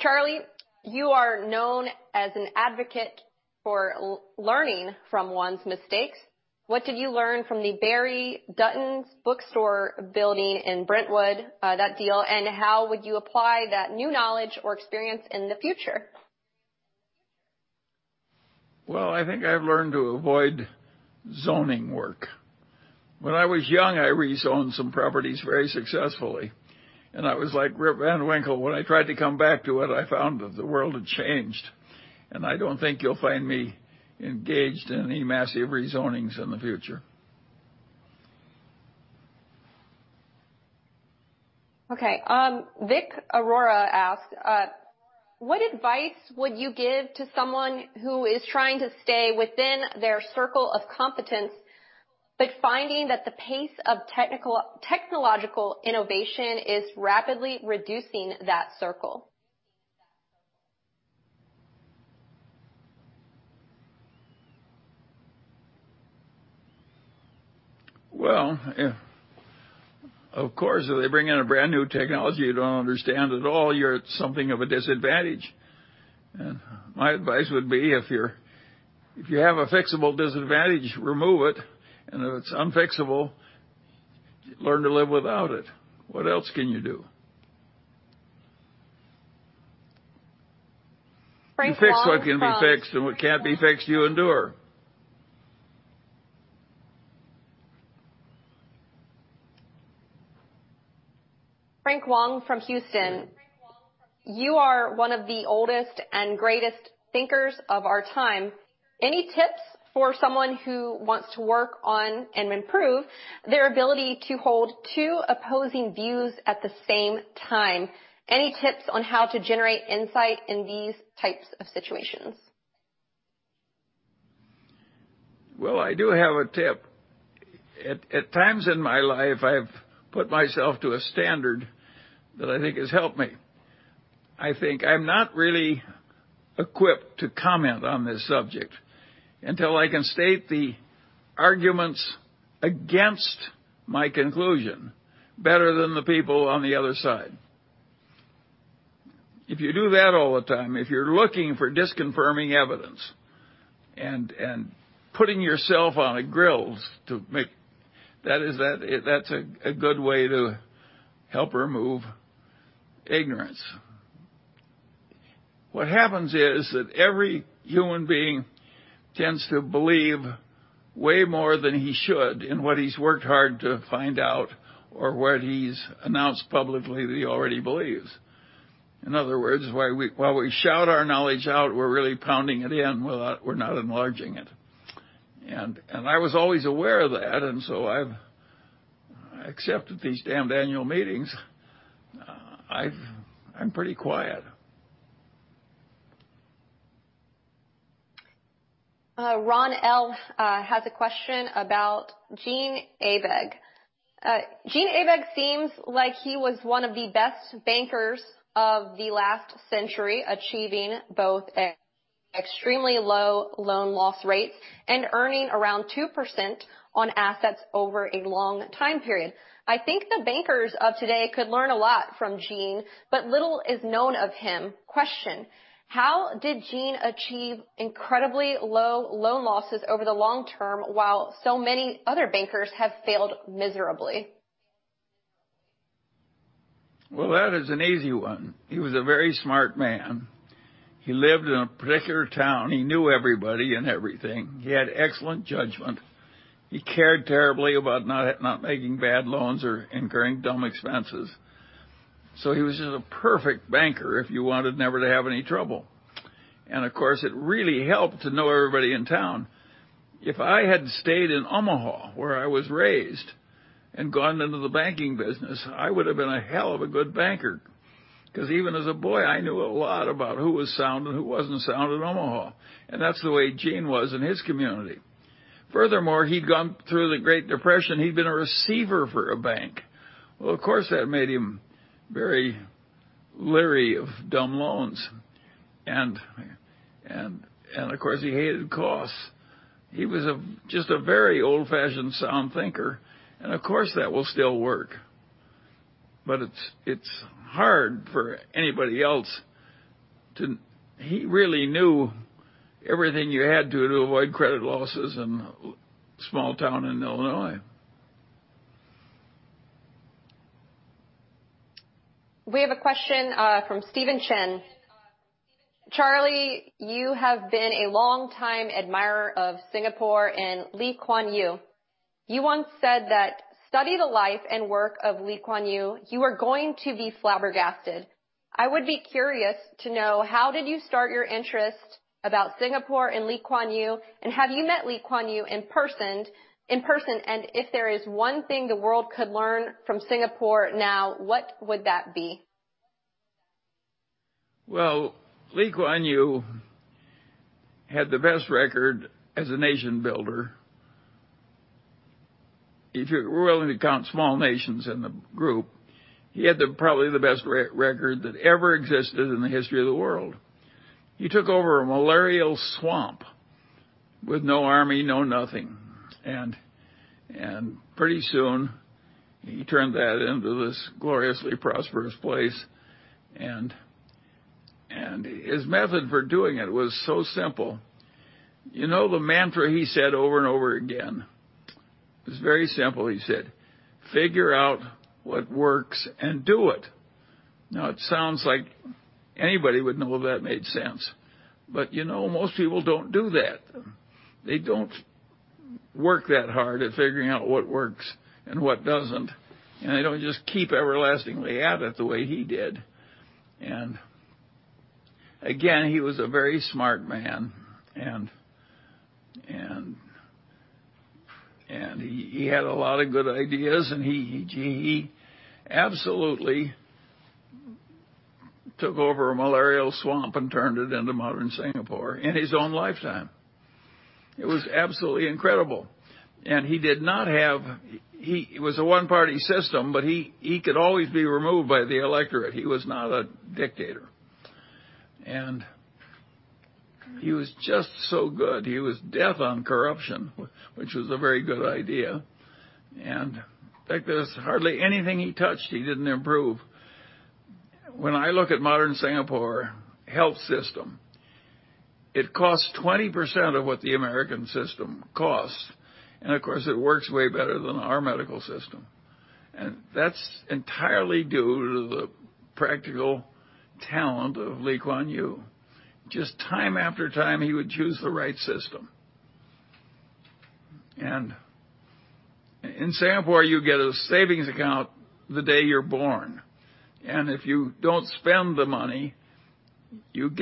"Charlie, you are known as an advocate for learning from one's mistakes. What did you learn from the Dutton's Brentwood Bookstore building in Brentwood that deal? How would you apply that new knowledge or experience in the future? Well, I think I've learned to avoid zoning work. When I was young, I rezoned some properties very successfully, and I was like Rip Van Winkle. When I tried to come back to it, I found that the world had changed. I don't think you'll find me engaged in any massive rezonings in the future. Okay. [Vic] Aurora asked, "What advice would you give to someone who is trying to stay within their circle of competence, but finding that the pace of technological innovation is rapidly reducing that circle? Well, yeah. Of course, if they bring in a brand-new technology you don't understand at all, you're at something of a disadvantage. My advice would be, if you have a fixable disadvantage, remove it. If it's unfixable, learn to live without it. What else can you do? Frank Wong You fix what can be fixed, and what can't be fixed, you endure. Frank Wong from Houston. "You are one of the oldest and greatest thinkers of our time. Any tips for someone who wants to work on and improve their ability to hold two opposing views at the same time? Any tips on how to generate insight in these types of situations? Well, I do have a tip. At times in my life, I've put myself to a standard that I think has helped me. I think I'm not really equipped to comment on this subject until I can state the arguments against my conclusion better than the people on the other side. If you do that all the time, if you're looking for disconfirming evidence and putting yourself on a grill to make, that's a good way to help remove ignorance. What happens is that every human being tends to believe way more than he should in what he's worked hard to find out or what he's announced publicly that he already believes. In other words, while we shout our knowledge out, we're really pounding it in. We're not enlarging it. I was always aware of that. I've accepted these damned annual meetings. I'm pretty quiet. Ron L. has a question about Eugene Abegg. "Eugene Abegg seems like he was one of the best bankers of the last century, achieving both extremely low loan loss rates and earning around 2% on assets over a long time period. I think the bankers of today could learn a lot from Gene, but little is known of him. Question, how did Gene achieve incredibly low loan losses over the long term while so many other bankers have failed miserably? Well, that is an easy one. He was a very smart man. He lived in a particular town. He knew everybody and everything. He had excellent judgment. He cared terribly about not making bad loans or incurring dumb expenses. He was just a perfect banker if you wanted never to have any trouble. Of course, it really helped to know everybody in town. If I had stayed in Omaha, where I was raised, and gone into the banking business, I would've been a hell of a good banker. 'Cause even as a boy, I knew a lot about who was sound and who wasn't sound in Omaha, and that's the way Gene was in his community. He'd gone through the Great Depression. He'd been a receiver for a bank. Of course, that made him very leery of dumb loans. Of course, he hated costs. He was just a very old-fashioned sound thinker. Of course, that will still work. It's hard for anybody else to. He really knew everything you had to avoid credit losses in a small town in Illinois. We have a question from Steven Chen. "Charlie, you have been a longtime admirer of Singapore and Lee Kuan Yew. You once said that study the life and work of Lee Kuan Yew, you are going to be flabbergasted. I would be curious to know how did you start your interest about Singapore and Lee Kuan Yew, and have you met Lee Kuan Yew in person? And if there is one thing the world could learn from Singapore now, what would that be? Well, Lee Kuan Yew had the best record as a nation builder. If you're willing to count small nations in the group, he had the, probably the best record that ever existed in the history of the world. He took over a malarial swamp with no army, no nothing. Pretty soon he turned that into this gloriously prosperous place. His method for doing it was so simple. You know the mantra he said over and over again? It was very simple. He said, "Figure out what works and do it." Now, it sounds like anybody would know that made sense, but you know, most people don't do that. They don't work that hard at figuring out what works and what doesn't. They don't just keep everlastingly at it the way he did. Again, he was a very smart man, and he had a lot of good ideas. He absolutely took over a malarial swamp and turned it into modern Singapore in his own lifetime. It was absolutely incredible. He was a 1-party system, but he could always be removed by the electorate. He was not a dictator. He was just so good. He was death on corruption, which was a very good idea. In fact there's hardly anything he touched, he didn't improve. When I look at modern Singapore health system, it costs 20% of what the American system costs. Of course it works way better than our medical system. That's entirely due to the practical talent of Lee Kuan Yew. Just time after time, he would choose the right system. In Singapore, you get a savings account the day you're born. If you don't spend the money, you and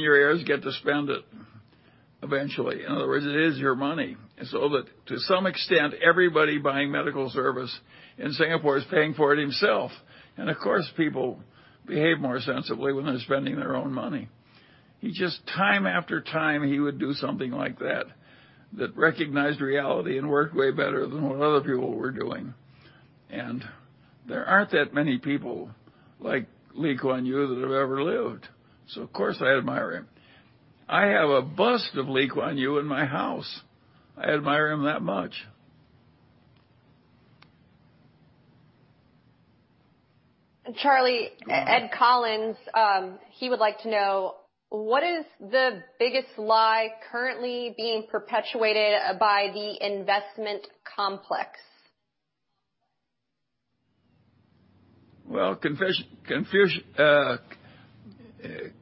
your heirs get to spend it eventually. In other words, it is your money. So that to some extent, everybody buying medical service in Singapore is paying for it himself. Of course, people behave more sensibly when they're spending their own money. He just time after time, he would do something like that recognized reality and worked way better than what other people were doing. There aren't that many people like Lee Kuan Yew that have ever lived. Of course I admire him. I have a bust of Lee Kuan Yew in my house. I admire him that much. Charlie- Ed Collins, he would like to know what is the biggest lie currently being perpetuated by the investment complex?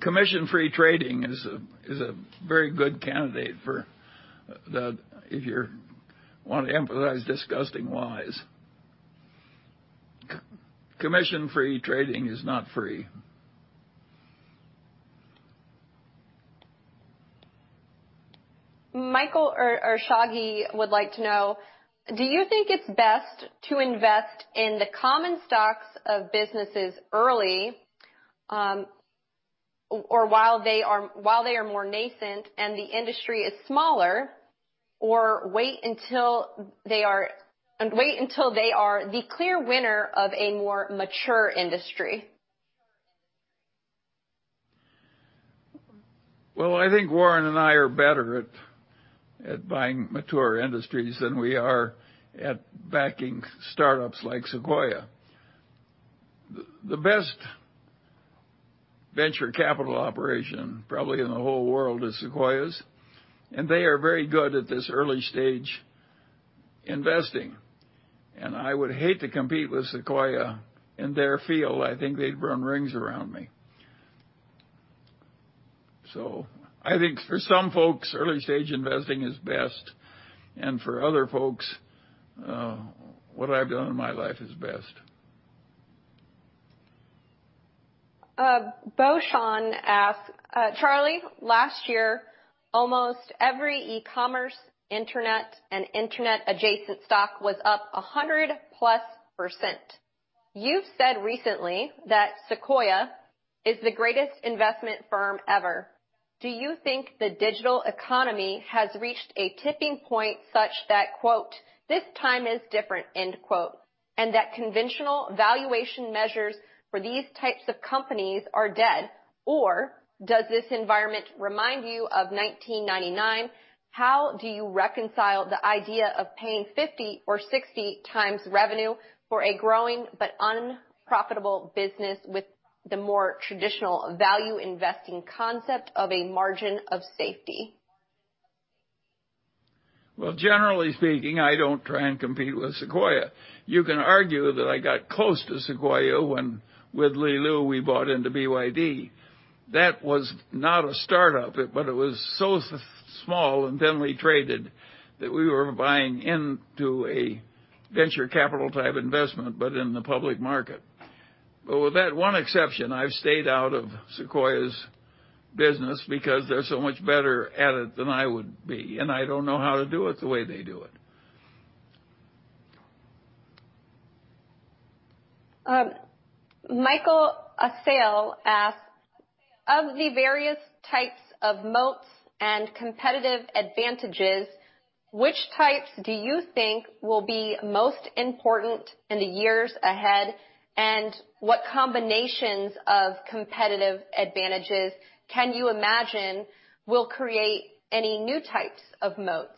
Commission-free trading is a very good candidate for the, if you're want to emphasize disgusting lies. Commission-free trading is not free. Michael [Ashagi] would like to know, do you think it's best to invest in the common stocks of businesses early, or while they are more nascent and the industry is smaller, or wait until they are the clear winner of a more mature industry? Well, I think Warren and I are better at buying mature industries than we are at backing startups like Sequoia. The best venture capital operation probably in the whole world is Sequoia's, and they are very good at this early stage investing. I would hate to compete with Sequoia in their field. I think they'd run rings around me. I think for some folks, early stage investing is best. For other folks, what I've done in my life is best. Bo Shan asks, "Charlie, last year, almost every e-commerce, internet and internet adjacent stock was up 100%+. You've said recently that Sequoia is the greatest investment firm ever. Do you think the digital economy has reached a tipping point such that, quote, 'this time is different,' end quote, and that conventional valuation measures for these types of companies are dead? Or does this environment remind you of 1999? How do you reconcile the idea of paying 50 or 60 times revenue for a growing but unprofitable business with the more traditional value investing concept of a margin of safety? Well, generally speaking, I don't try and compete with Sequoia. You can argue that I got close to Sequoia when with Li Lu we bought into BYD. That was not a startup, but it was so small and thinly traded that we were buying into a venture capital type investment, but in the public market. With that one exception, I've stayed out of Sequoia's business because they're so much better at it than I would be, and I don't know how to do it the way they do it. Michael Assael asks, "Of the various types of moats and competitive advantages, which types do you think will be most important in the years ahead? What combinations of competitive advantages can you imagine will create any new types of moats?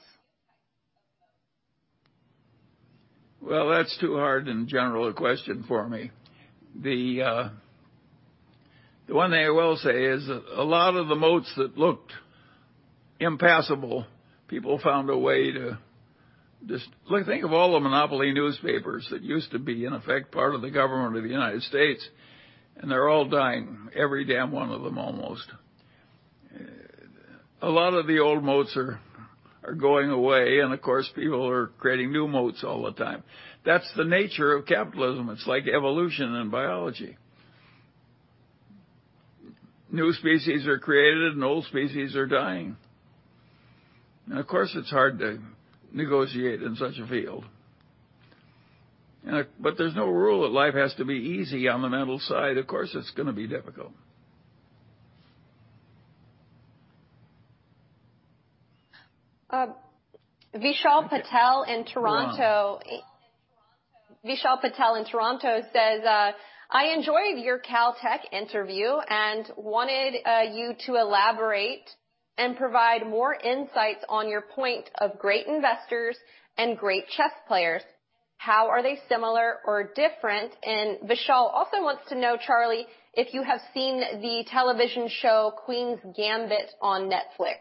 That's too hard and general a question for me. The one thing I will say is a lot of the moats that looked impassable, people found a way to think of all the monopoly newspapers that used to be, in effect, part of the government of the United States, and they're all dying, every damn one of them almost. A lot of the old moats are going away. Of course, people are creating new moats all the time. That's the nature of capitalism. It's like evolution and biology. New species are created and old species are dying. Of course, it's hard to negotiate in such a field. There's no rule that life has to be easy on the mental side. Of course, it's gonna be difficult. Vishal Patel in Toronto. Go on. Vishal Patel in Toronto says, "I enjoyed your Caltech interview and wanted you to elaborate and provide more insights on your point of great investors and great chess players. How are they similar or different?" Vishal also wants to know, Charlie, if you have seen the television show The Queen's Gambit on Netflix.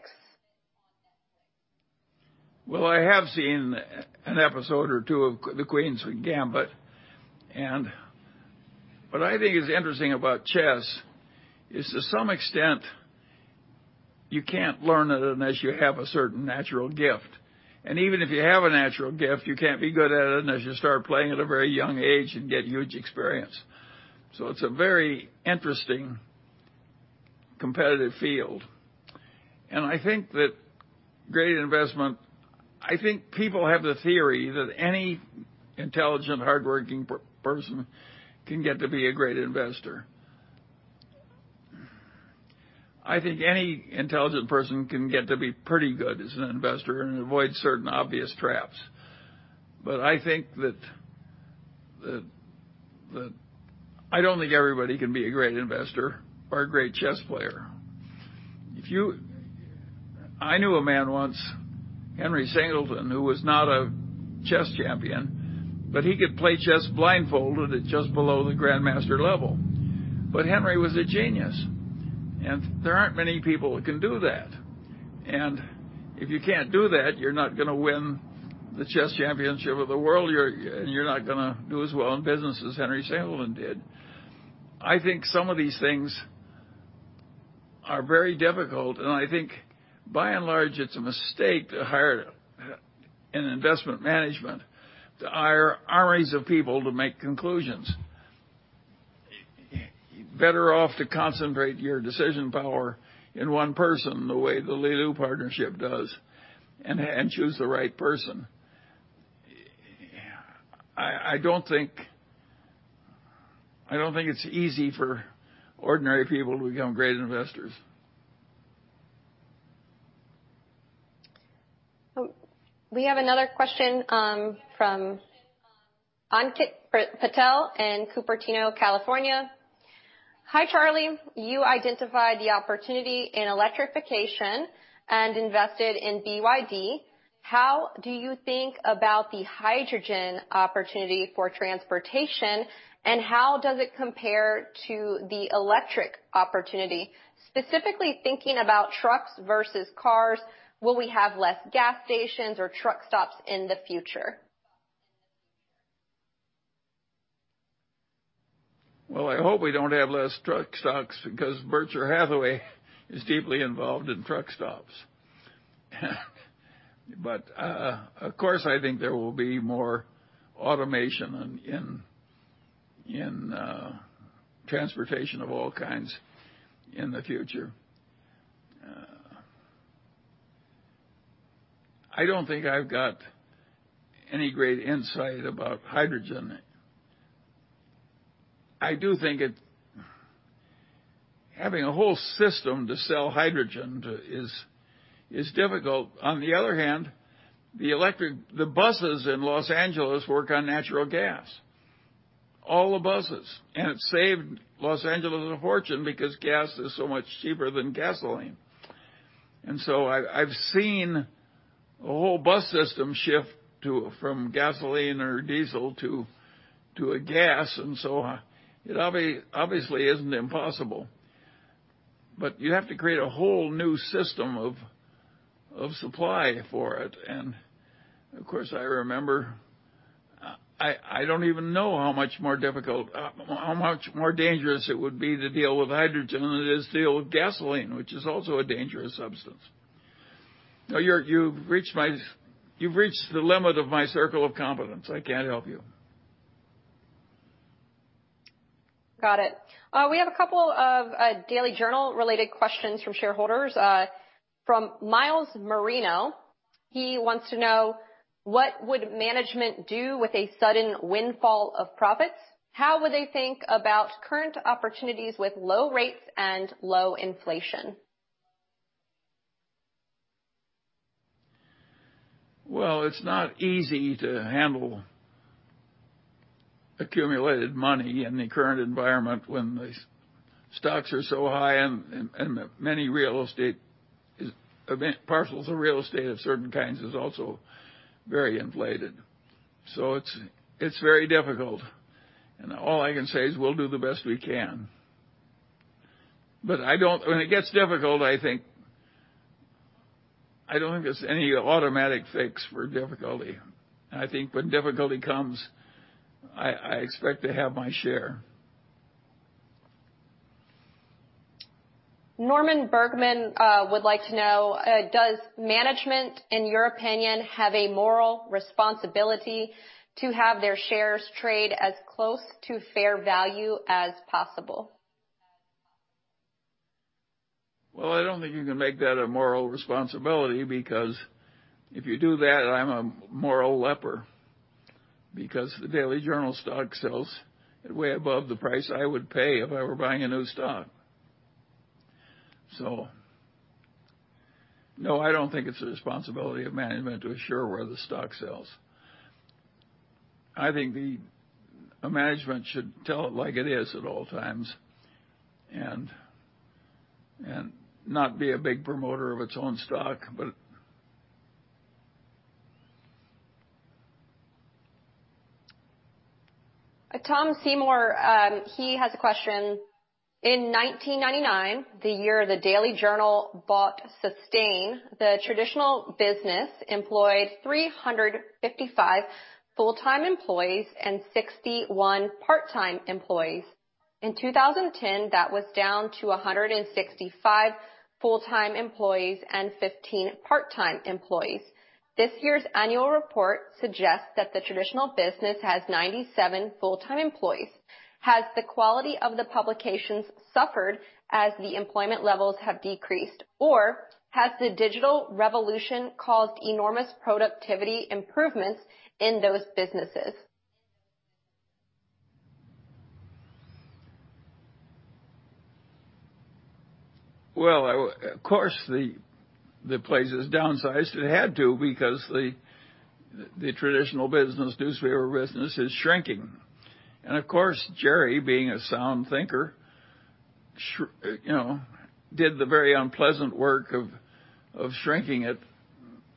Well, I have seen an episode or two of The Queen's Gambit. What I think is interesting about chess is to some extent, you can't learn it unless you have a certain natural gift. Even if you have a natural gift, you can't be good at it unless you start playing at a very young age and get huge experience. It's a very interesting competitive field. I think that great investment, I think people have the theory that any intelligent, hardworking person can get to be a great investor. I think any intelligent person can get to be pretty good as an investor and avoid certain obvious traps. I think that I don't think everybody can be a great investor or a great chess player. I knew a man once, Henry Singleton, who was not a chess champion, but he could play chess blindfolded at just below the grandmaster level. Henry was a genius, and there aren't many people that can do that. If you can't do that, you're not gonna win the chess championship of the world. You're not gonna do as well in business as Henry Singleton did. I think some of these things are very difficult, and I think by and large, it's a mistake to hire in investment management, to hire armies of people to make conclusions. You're better off to concentrate your decision power in one person the way the Li Lu partnership does and choose the right person. I don't think it's easy for ordinary people to become great investors. We have another question from Ankit Patel in Cupertino, California. Hi, Charlie. You identified the opportunity in electrification and invested in BYD. How do you think about the hydrogen opportunity for transportation, how does it compare to the electric opportunity? Specifically thinking about trucks versus cars, will we have less gas stations or truck stops in the future? Well, I hope we don't have less truck stops because Berkshire Hathaway is deeply involved in truck stops. I think there will be more automation in transportation of all kinds in the future. I don't think I've got any great insight about hydrogen. I do think having a whole system to sell hydrogen to is difficult. On the other hand, the buses in Los Angeles work on natural gas, all the buses, and it saved Los Angeles a fortune because gas is so much cheaper than gasoline. I've seen a whole bus system shift from gasoline or diesel to a gas, it obviously isn't impossible. You have to create a whole new system of supply for it. Of course, I remember, I don't even know how much more difficult, how much more dangerous it would be to deal with hydrogen than it is to deal with gasoline, which is also a dangerous substance. No, you've reached the limit of my circle of competence. I can't help you. Got it. We have a couple of Daily Journal related questions from shareholders. From Miles Marino. He wants to know, what would management do with a sudden windfall of profits? How would they think about current opportunities with low rates and low inflation? Well, it's not easy to handle accumulated money in the current environment when these stocks are so high and many real estate parcels of real estate of certain kinds is also very inflated. It's very difficult. All I can say is we'll do the best we can. When it gets difficult, I don't think there's any automatic fix for difficulty. I think when difficulty comes, I expect to have my share. Norman Bergman, would like to know, does management, in your opinion, have a moral responsibility to have their shares trade as close to fair value as possible? Well, I don't think you can make that a moral responsibility because if you do that, I'm a moral leper because the Daily Journal stock sells way above the price I would pay if I were buying a new stock. No, I don't think it's a responsibility of management to assure where the stock sells. I think a management should tell it like it is at all times and not be a big promoter of its own stock. Tom Seymour, he has a question. In 1999, the year the Daily Journal bought Sustain, the traditional business employed 355 full-time employees and 61 part-time employees. In 2010, that was down to 165 full-time employees and 15 part-time employees. This year's annual report suggests that the traditional business has 97 full-time employees. Has the quality of the publications suffered as the employment levels have decreased, or has the digital revolution caused enormous productivity improvements in those businesses? Well, of course, the place is downsized. It had to because the traditional business, newspaper business is shrinking. Of course, Jerry, being a sound thinker, you know, did the very unpleasant work of shrinking it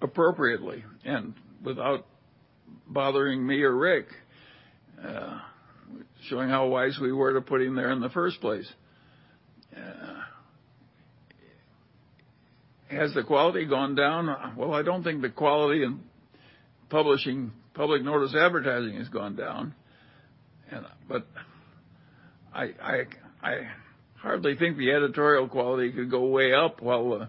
appropriately and without bothering me or Rick, showing how wise we were to put him there in the first place. Has the quality gone down? Well, I don't think the quality in publishing public notice advertising has gone down, and I hardly think the editorial quality could go way up while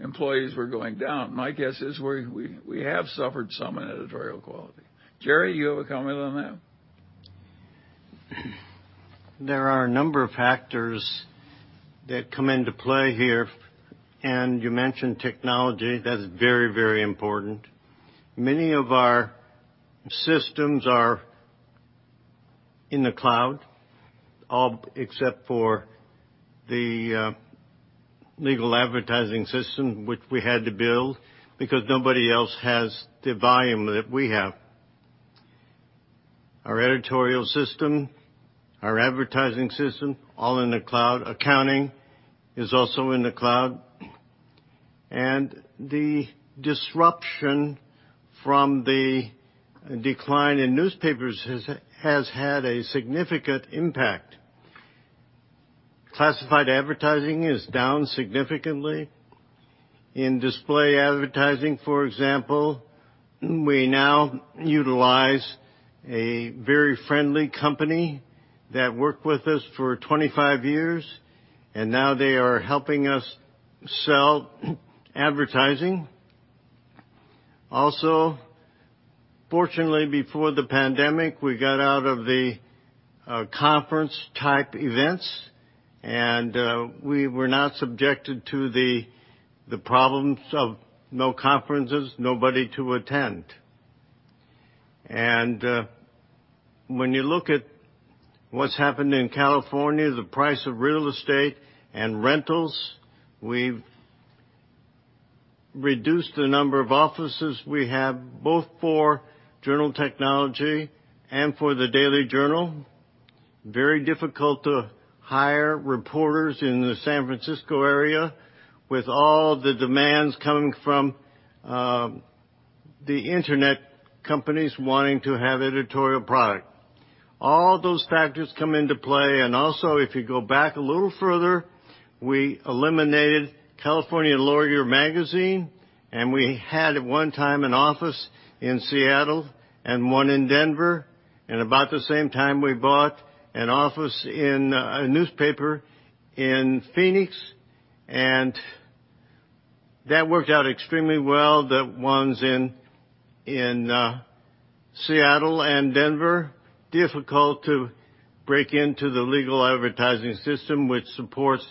employees were going down. My guess is we have suffered some in editorial quality. Jerry, you have a comment on that? There are a number of factors that come into play here. You mentioned technology. That is very, very important. Many of our systems are in the cloud, all except for the legal advertising system which we had to build because nobody else has the volume that we have. Our editorial system, our advertising system, all in the cloud. Accounting is also in the cloud. The disruption from the decline in newspapers has had a significant impact. Classified advertising is down significantly. In display advertising, for example, we now utilize a very friendly company that worked with us for 25 years, and now they are helping us sell advertising. Also, fortunately, before the pandemic, we got out of the conference type events, and we were not subjected to the problems of no conferences, nobody to attend. When you look at what's happened in California, the price of real estate and rentals, we've reduced the number of offices we have, both for Journal Technologies and for the Daily Journal. Very difficult to hire reporters in the San Francisco area with all the demands coming from the internet companies wanting to have editorial product. All those factors come into play. Also, if you go back a little further, we eliminated California Lawyer magazine, and we had at one time an office in Seattle and one in Denver. About the same time, we bought an office in a newspaper in Phoenix, and that worked out extremely well. The ones in Seattle and Denver, difficult to break into the legal advertising system, which supports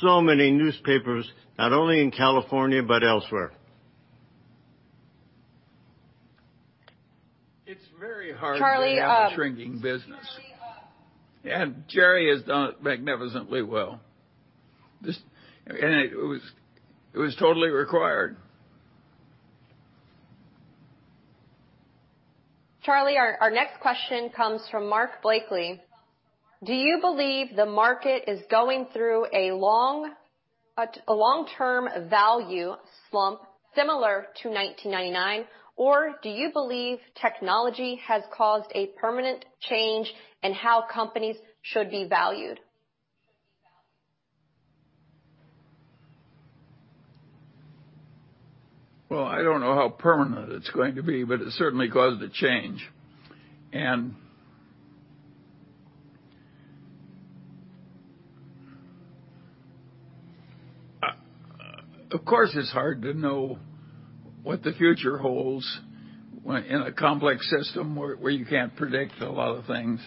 so many newspapers, not only in California, but elsewhere. It's very hard. Charlie. -in a shrinking business. Charlie. Jerry has done it magnificently well. It was totally required. Charlie, our next question comes from Mark Blakely. Do you believe the market is going through a long-term value slump similar to 1999? Do you believe technology has caused a permanent change in how companies should be valued? Well, I don't know how permanent it's going to be, but it certainly caused a change. Of course, it's hard to know what the future holds when in a complex system where you can't predict a lot of things.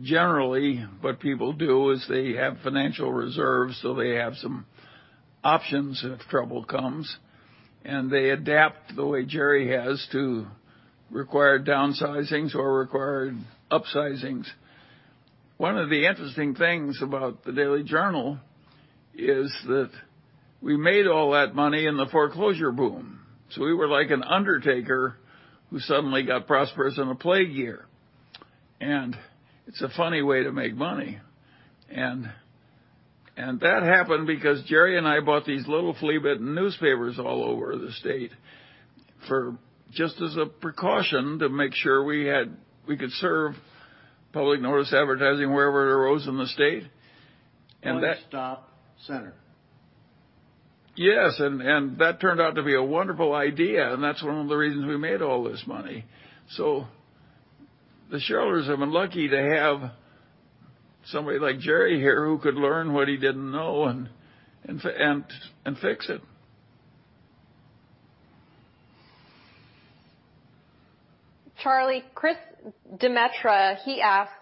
Generally, what people do is they have financial reserves, so they have some options if trouble comes, and they adapt the way Jerry has to required downsizings or required upsizings. One of the interesting things about the Daily Journal is that we made all that money in the foreclosure boom. We were like an undertaker who suddenly got prosperous in a plague year. It's a funny way to make money. That happened because Jerry and I bought these little flea-bitten newspapers all over the state for just as a precaution to make sure we could serve public notice advertising wherever it arose in the state. One-stop center. Yes. That turned out to be a wonderful idea, and that's one of the reasons we made all this money. The shareholders have been lucky to have somebody like Jerry here who could learn what he didn't know and fix it. Charlie, Chris Demetra, he asks.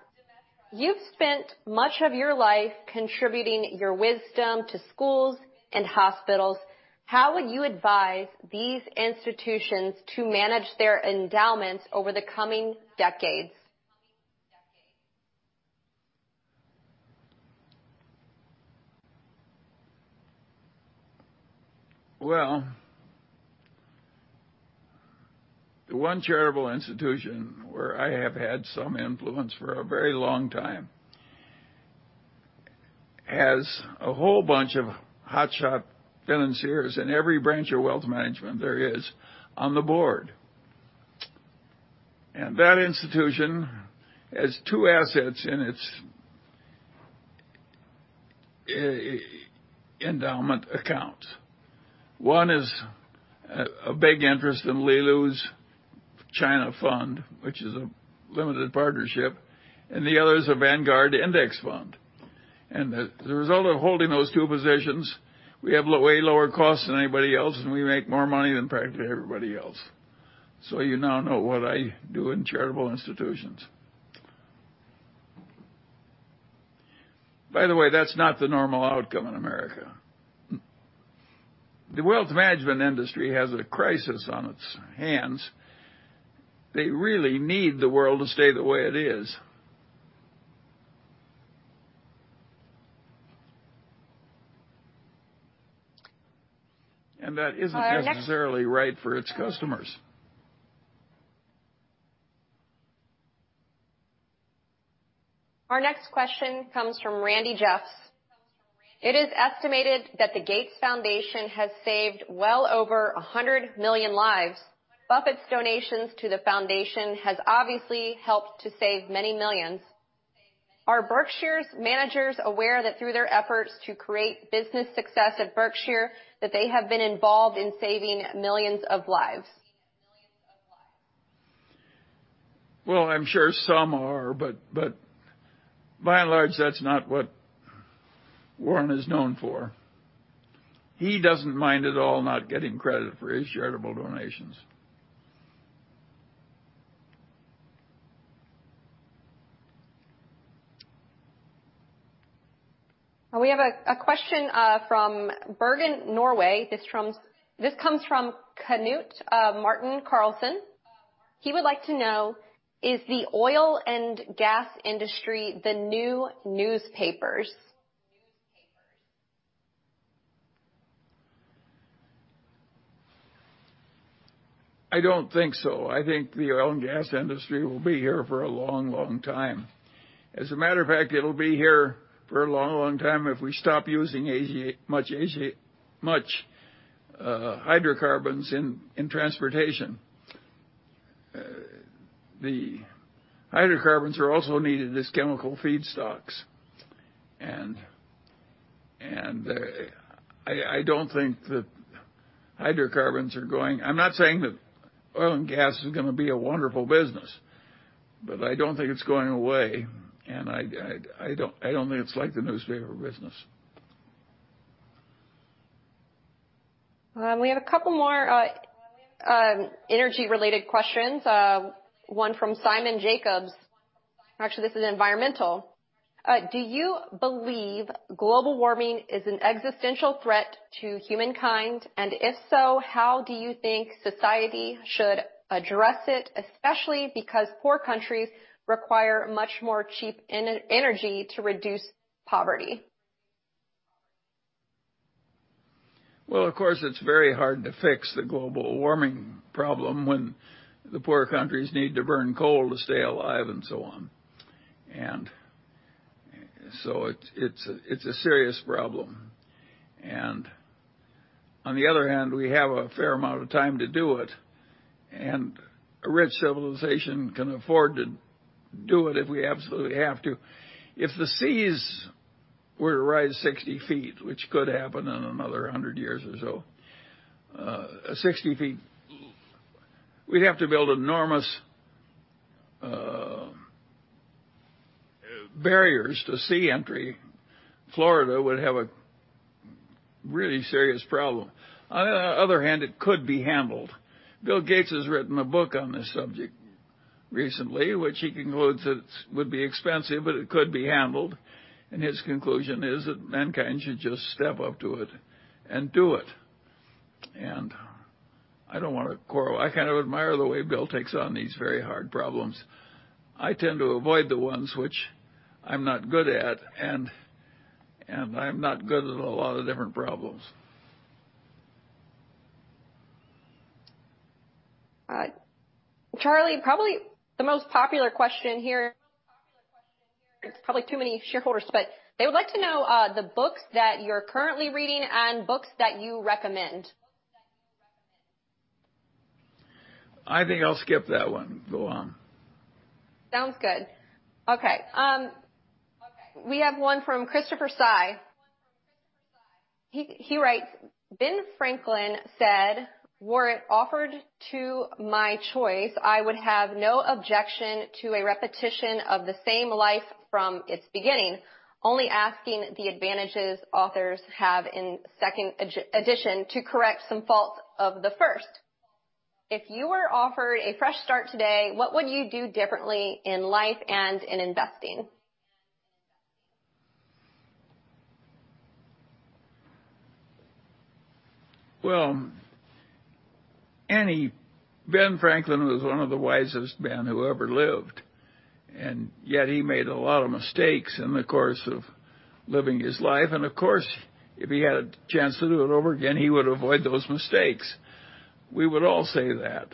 You've spent much of your life contributing your wisdom to schools and hospitals. How would you advise these institutions to manage their endowments over the coming decades? Well, the one charitable institution where I have had some influence for a very long time has a whole bunch of hotshot financiers in every branch of wealth management there is on the board. That institution has two assets in its endowment accounts. One is a big interest in Li Lu's China fund, which is a limited partnership, and the other is a Vanguard index fund. The result of holding those two positions, we have way lower costs than anybody else, and we make more money than practically everybody else. You now know what I do in charitable institutions. By the way, that's not the normal outcome in America. The wealth management industry has a crisis on its hands. They really need the world to stay the way it is. Our next- necessarily right for its customers. Our next question comes from Randy Jeffs. It is estimated that the Gates Foundation has saved well over 100 million lives. Buffett's donations to the foundation has obviously helped to save many millions. Are Berkshire's managers aware that through their efforts to create business success at Berkshire, that they have been involved in saving millions of lives? Well, I'm sure some are, but by and large, that's not what Warren is known for. He doesn't mind at all not getting credit for his charitable donations. We have a question from Bergen, Norway. This comes from Knut Martin Carlson. Martin Carlson. He would like to know, is the oil and gas industry the new newspapers? I don't think so. I think the oil and gas industry will be here for a long, long time. As a matter of fact, it'll be here for a long, long time if we stop using much hydrocarbons in transportation. The hydrocarbons are also needed as chemical feedstocks. I'm not saying that oil and gas is gonna be a wonderful business, but I don't think it's going away. I don't think it's like the newspaper business. We have a couple more energy related questions. One from Simon Jacobs. Actually, this is environmental. Do you believe global warming is an existential threat to humankind? If so, how do you think society should address it, especially because poor countries require much more cheap energy to reduce poverty? Well, of course, it's very hard to fix the global warming problem when the poor countries need to burn coal to stay alive and so on. It's a serious problem. On the other hand, we have a fair amount of time to do it, and a rich civilization can afford to do it if we absolutely have to. If the seas were to rise 60 ft, which could happen in another 100 years or so, 60 ft, ooh, we'd have to build enormous barriers to sea entry. Florida would have a really serious problem. On the other hand, it could be handled. Bill Gates has written a book on this subject recently, which he concludes it would be expensive, but it could be handled. His conclusion is that mankind should just step up to it and do it. I don't wanna quarrel. I kind of admire the way Bill takes on these very hard problems. I tend to avoid the ones which I'm not good at, and I'm not good at a lot of different problems. Charlie, probably the most popular question here it's probably too many shareholders. They would like to know the books that you're currently reading and books that you recommend. I think I'll skip that one. Go on. Sounds good. Okay. We have one from Christopher Tsai. He writes, Ben Franklin said, "Were it offered to my choice, I would have no objection to a repetition of the same life from its beginning, only asking the advantages authors have in second edition to correct some faults of the first." If you were offered a fresh start today, what would you do differently in life and in investing? Well, Annie, Ben Franklin was one of the wisest men who ever lived, yet he made a lot of mistakes in the course of living his life. Of course, if he had a chance to do it over again, he would avoid those mistakes. We would all say that.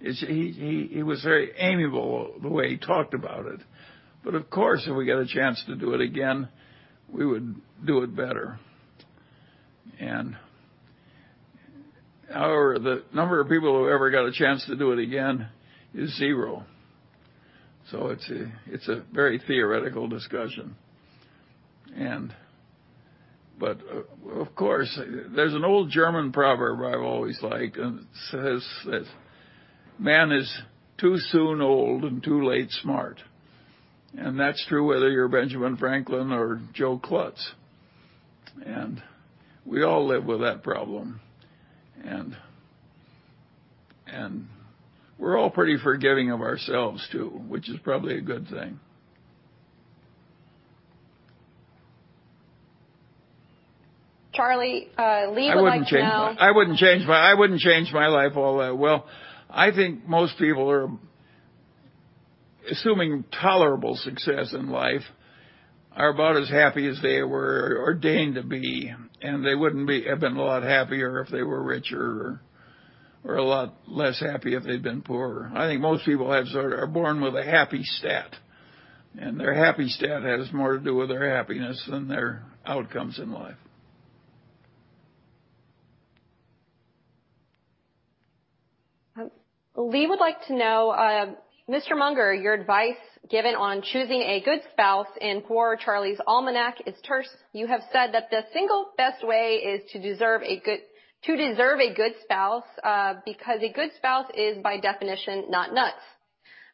He was very amiable the way he talked about it. Of course, if we get a chance to do it again, we would do it better. However, the number of people who ever got a chance to do it again is zero. It's a very theoretical discussion. Of course, there's an old German proverb I've always liked and it says, that man is too soon old and too late smart. That's true whether you're Benjamin Franklin or Joe Klutz. We all live with that problem. We're all pretty forgiving of ourselves, too, which is probably a good thing. Charlie, Li Lu would like to know. I wouldn't change my life all that well. I think most people are, assuming tolerable success in life, are about as happy as they were ordained to be, and they wouldn't have been a lot happier if they were richer or a lot less happy if they'd been poorer. I think most people have sort of are born with a happy stat, and their happy stat has more to do with their happiness than their outcomes in life. Lee would like to know, Mr. Munger, your advice given on choosing a good spouse in Poor Charlie's Almanack is terse. You have said that the single best way is to deserve a good spouse, because a good spouse is by definition, not nuts.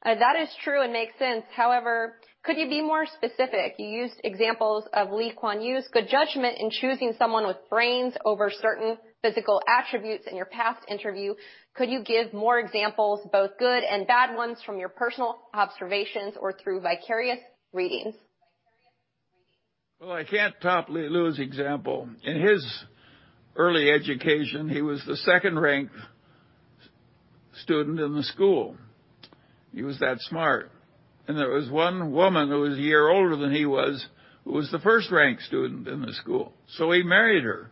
That is true and makes sense. However, could you be more specific? You used examples of Lee Kuan Yew's good judgment in choosing someone with brains over certain physical attributes in your past interview. Could you give more examples, both good and bad ones, from your personal observations or through vicarious readings? I can't top Li Lu's example. In his early education, he was the second-ranked student in the school. He was that smart. There was one woman who was a year older than he was, who was the first-ranked student in the school. He married her.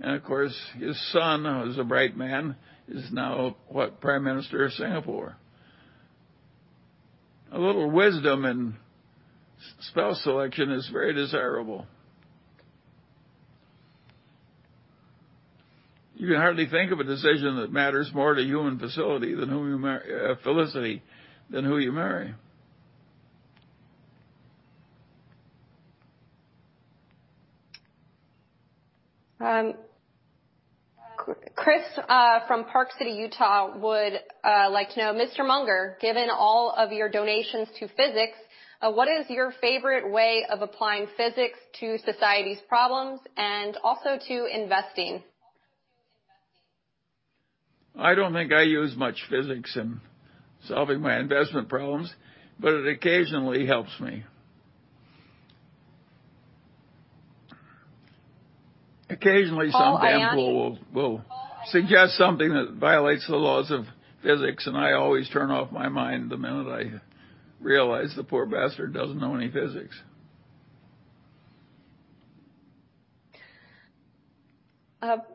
Of course, his son, who's a bright man, is now what? Prime Minister of Singapore. A little wisdom in spouse selection is very desirable. You can hardly think of a decision that matters more to human facility than who you felicity than who you marry. Chris from Park City, Utah, would like to know, "Mr. Munger, given all of your donations to physics, what is your favorite way of applying physics to society's problems and also to investing? I don't think I use much physics in solving my investment problems, but it occasionally helps me. Paul Ayani. Some damn fool will suggest something that violates the laws of physics, and I always turn off my mind the minute I realize the poor bastard doesn't know any physics.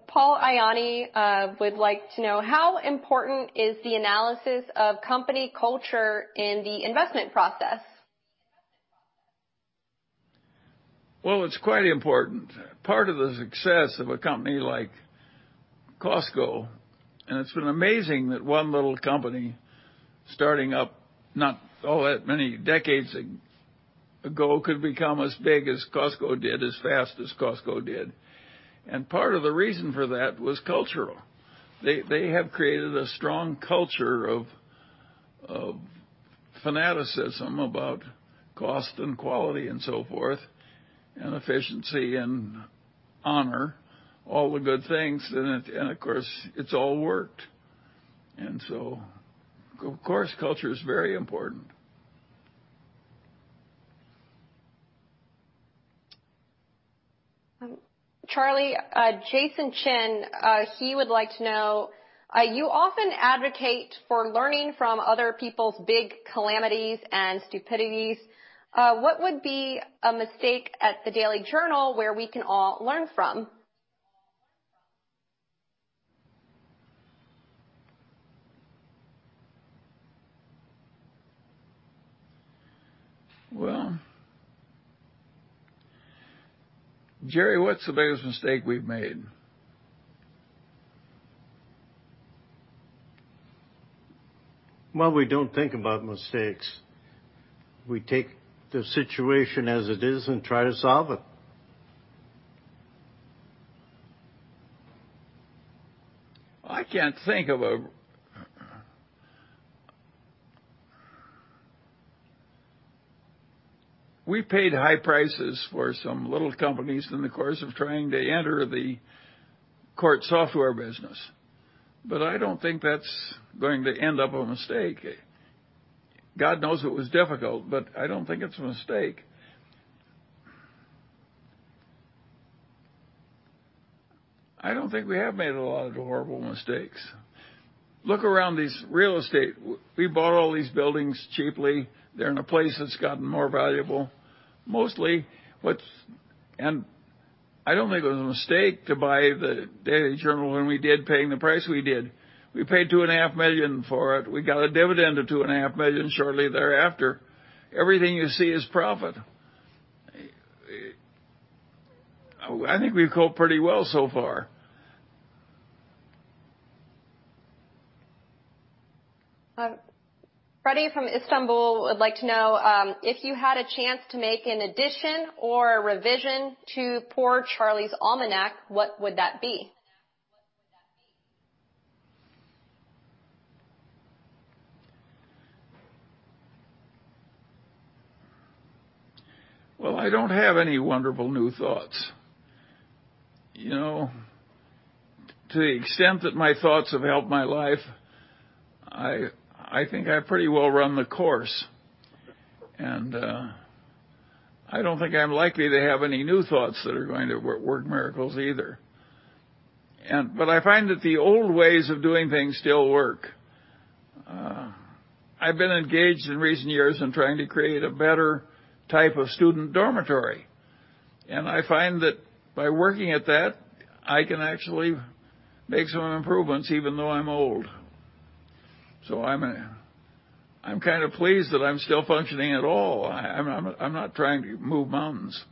Paul Ayani would like to know: How important is the analysis of company culture in the investment process? It's quite important. Part of the success of a company like Costco, it's been amazing that one little company starting up not all that many decades ago could become as big as Costco did, as fast as Costco did. Part of the reason for that was cultural. They have created a strong culture of fanaticism about cost and quality and so forth, and efficiency and honor, all the good things. Of course, it's all worked. Of course, culture is very important. Charlie, Jason Chen, he would like to know, you often advocate for learning from other people's big calamities and stupidities. What would be a mistake at The Daily Journal where we can all learn from? Well Jerry, what's the biggest mistake we've made? We don't think about mistakes. We take the situation as it is and try to solve it. We paid high prices for some little companies in the course of trying to enter the court software business, but I don't think that's going to end up a mistake. God knows it was difficult, but I don't think it's a mistake. I don't think we have made a lot of horrible mistakes. Look around these real estate. We bought all these buildings cheaply. They're in a place that's gotten more valuable. I don't think it was a mistake to buy The Daily Journal when we did paying the price we did. We paid $2.5 million for it. We got a dividend of $2.5 million shortly thereafter. Everything you see is profit. I think we've coped pretty well so far. Freddy from Istanbul would like to know if you had a chance to make an addition or a revision to Poor Charlie's Almanack, what would that be? Well, I don't have any wonderful new thoughts. You know, to the extent that my thoughts have helped my life, I think I pretty well run the course. I don't think I'm likely to have any new thoughts that are going to work miracles either. I find that the old ways of doing things still work. I've been engaged in recent years in trying to create a better type of student dormitory, and I find that by working at that, I can actually make some improvements even though I'm old. I'm kinda pleased that I'm still functioning at all. I'm not trying to move mountains.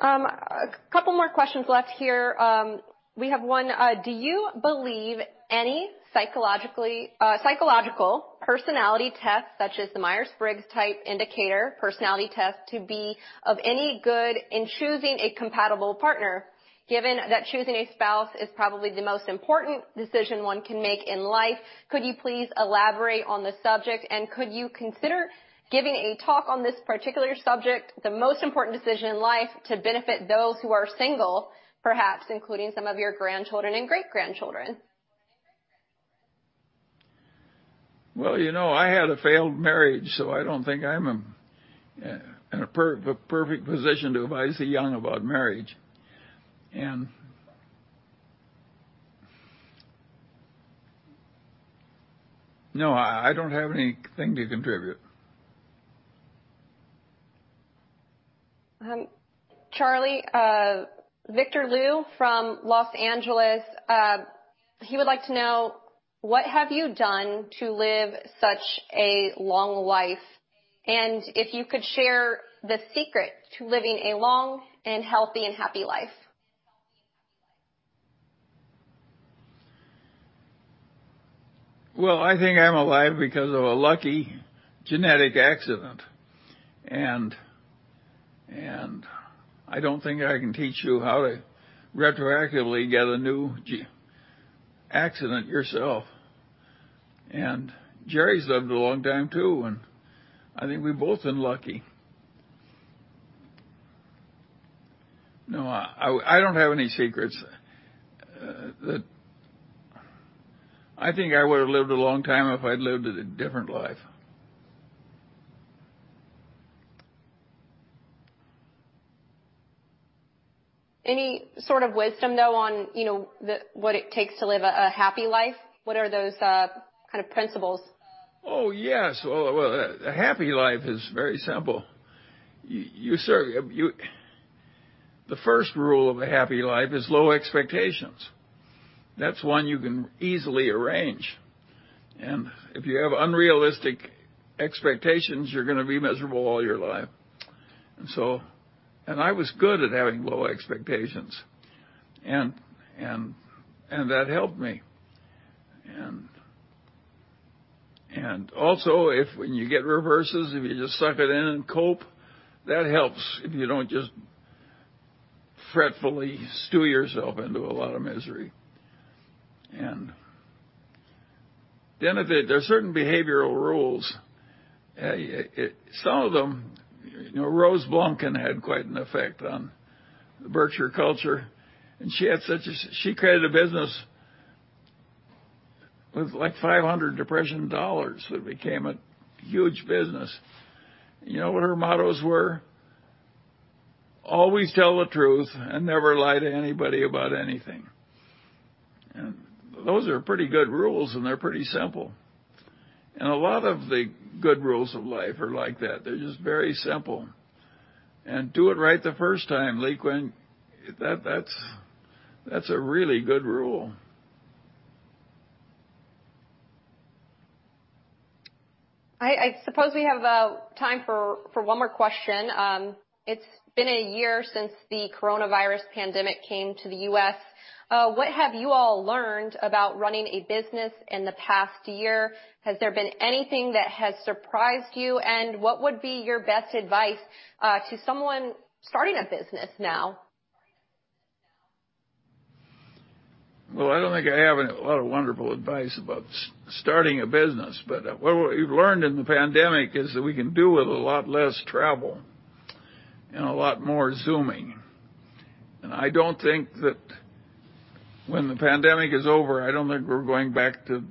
A couple more questions left here. We have one. Do you believe any psychological personality tests such as the Myers-Briggs Type Indicator personality test to be of any good in choosing a compatible partner? Given that choosing a spouse is probably the most important decision one can make in life, could you please elaborate on the subject? Could you consider giving a talk on this particular subject, the most important decision in life, to benefit those who are single, perhaps including some of your grandchildren and great-grandchildren? Well, you know, I had a failed marriage. I don't think I'm in a perfect position to advise the young about marriage. No, I don't have anything to contribute. Charlie, Victor Liu from Los Angeles. He would like to know, what have you done to live such a long life? If you could share the secret to living a long and healthy and happy life. Well, I think I'm alive because of a lucky genetic accident, I don't think I can teach you how to retroactively get a new accident yourself. Jerry's lived a long time, too, and I think we've both been lucky. No, I don't have any secrets. I think I would have lived a long time if I'd lived a different life. Any sort of wisdom, though, on, you know, what it takes to live a happy life? What are those kind of principles? Oh, yes. Well, a happy life is very simple. The first rule of a happy life is low expectations. That's one you can easily arrange. If you have unrealistic expectations, you're gonna be miserable all your life. I was good at having low expectations, and that helped me. Also, if when you get reverses, if you just suck it in and cope, that helps if you don't just fretfully stew yourself into a lot of misery. There are certain behavioral rules, some of them, you know, Rose Blumkin had quite an effect on the Berkshire culture, she created a business with, like, 500 depression dollars. It became a huge business. You know what her mottos were? Always tell the truth and never lie to anybody about anything. Those are pretty good rules, and they're pretty simple. A lot of the good rules of life are like that. They're just very simple. Do it right the first time, Lee Kuan. That's a really good rule. I suppose we have time for one more question. It's been a year since the coronavirus pandemic came to the U.S. What have you all learned about running a business in the past year? Has there been anything that has surprised you? What would be your best advice to someone starting a business now? Well, I don't think I have a lot of wonderful advice about starting a business. What we've learned in the pandemic is that we can do with a lot less travel and a lot more Zooming. I don't think that when the pandemic is over, I don't think we're going back to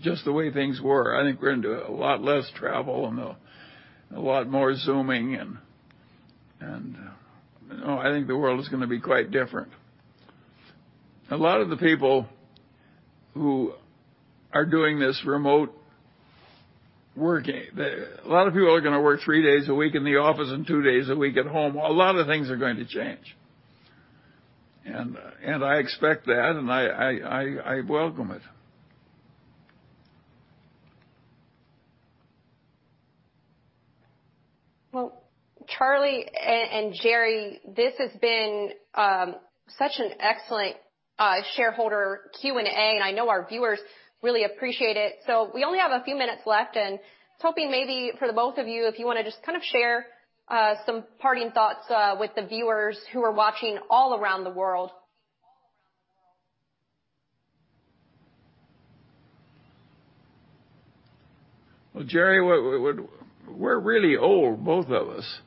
just the way things were. I think we're into a lot less travel and a lot more Zooming and, you know, I think the world is gonna be quite different. A lot of the people who are doing this remote working, a lot of people are gonna work three days a week in the office and two days a week at home. A lot of things are going to change. I expect that, and I welcome it. Charlie and Jerry, this has been such an excellent shareholder Q&A, and I know our viewers really appreciate it. We only have a few minutes left, and I was hoping maybe for the both of you, if you wanna just kind of share some parting thoughts with the viewers who are watching all around the world. Jerry, we're really old, both of us,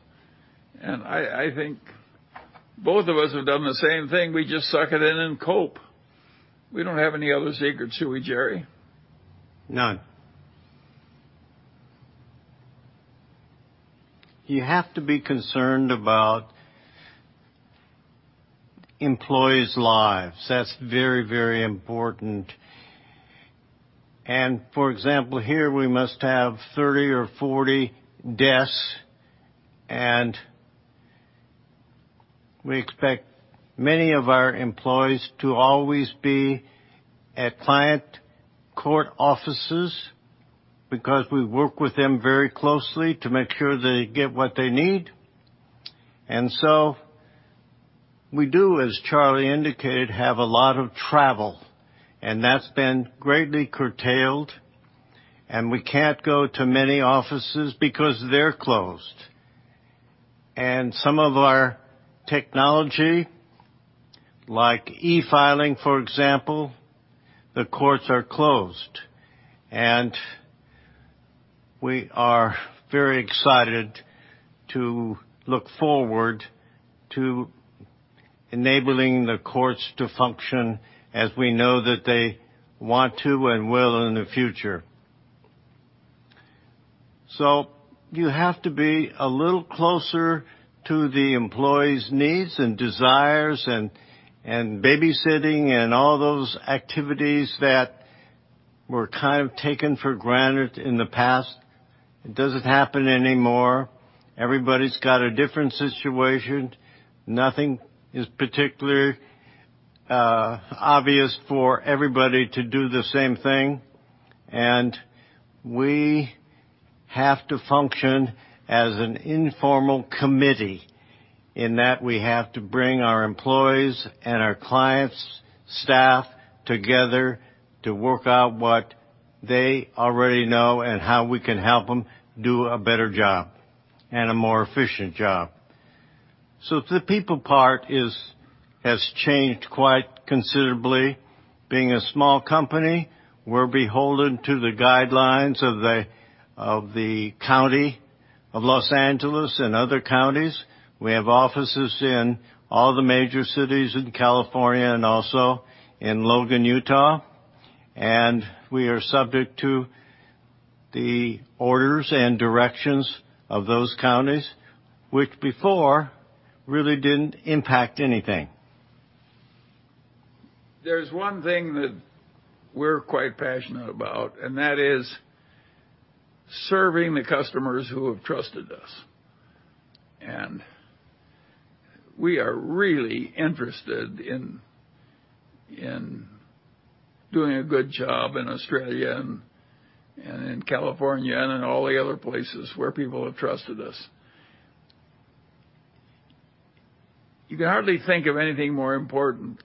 and I think both of us have done the same thing. We just suck it in and cope. We don't have any other secrets, do we, Jerry? None. You have to be concerned about employees' lives. That's very, very important. For example, here we must have 30 or 40 desks, and we expect many of our employees to always be at client court offices because we work with them very closely to make sure they get what they need. We do, as Charlie indicated, have a lot of travel, and that's been greatly curtailed. We can't go to many offices because they're closed. Some of our technology, like e-filing, for example, the courts are closed. We are very excited to look forward to enabling the courts to function as we know that they want to and will in the future. You have to be a little closer to the employees' needs and desires and babysitting and all those activities that were kind of taken for granted in the past. It doesn't happen anymore. Everybody's got a different situation. Nothing is particularly obvious for everybody to do the same thing. We have to function as an informal committee in that we have to bring our employees and our clients, staff together to work out what they already know and how we can help them do a better job and a more efficient job. The people part has changed quite considerably. Being a small company, we're beholden to the guidelines of the county of Los Angeles and other counties. We have offices in all the major cities in California and also in Logan, Utah. We are subject to the orders and directions of those counties, which before really didn't impact anything. There's one thing that we're quite passionate about, and that is serving the customers who have trusted us. We are really interested in doing a good job in Australia and in California and in all the other places where people have trusted us. You can hardly think of anything more important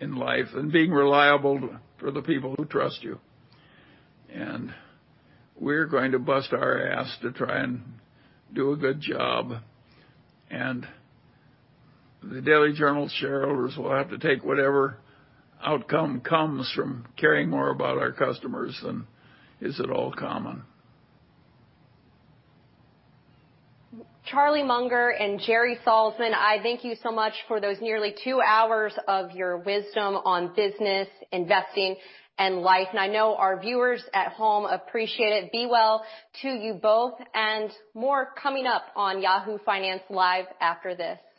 in life than being reliable for the people who trust you. We're going to bust our ass to try and do a good job. The Daily Journal shareholders will have to take whatever outcome comes from caring more about our customers than is at all common. Charlie Munger and Jerry Salzman, I thank you so much for those nearly two hours of your wisdom on business, investing, and life. I know our viewers at home appreciate it. Be well to you both and more coming up on Yahoo Finance Live after this.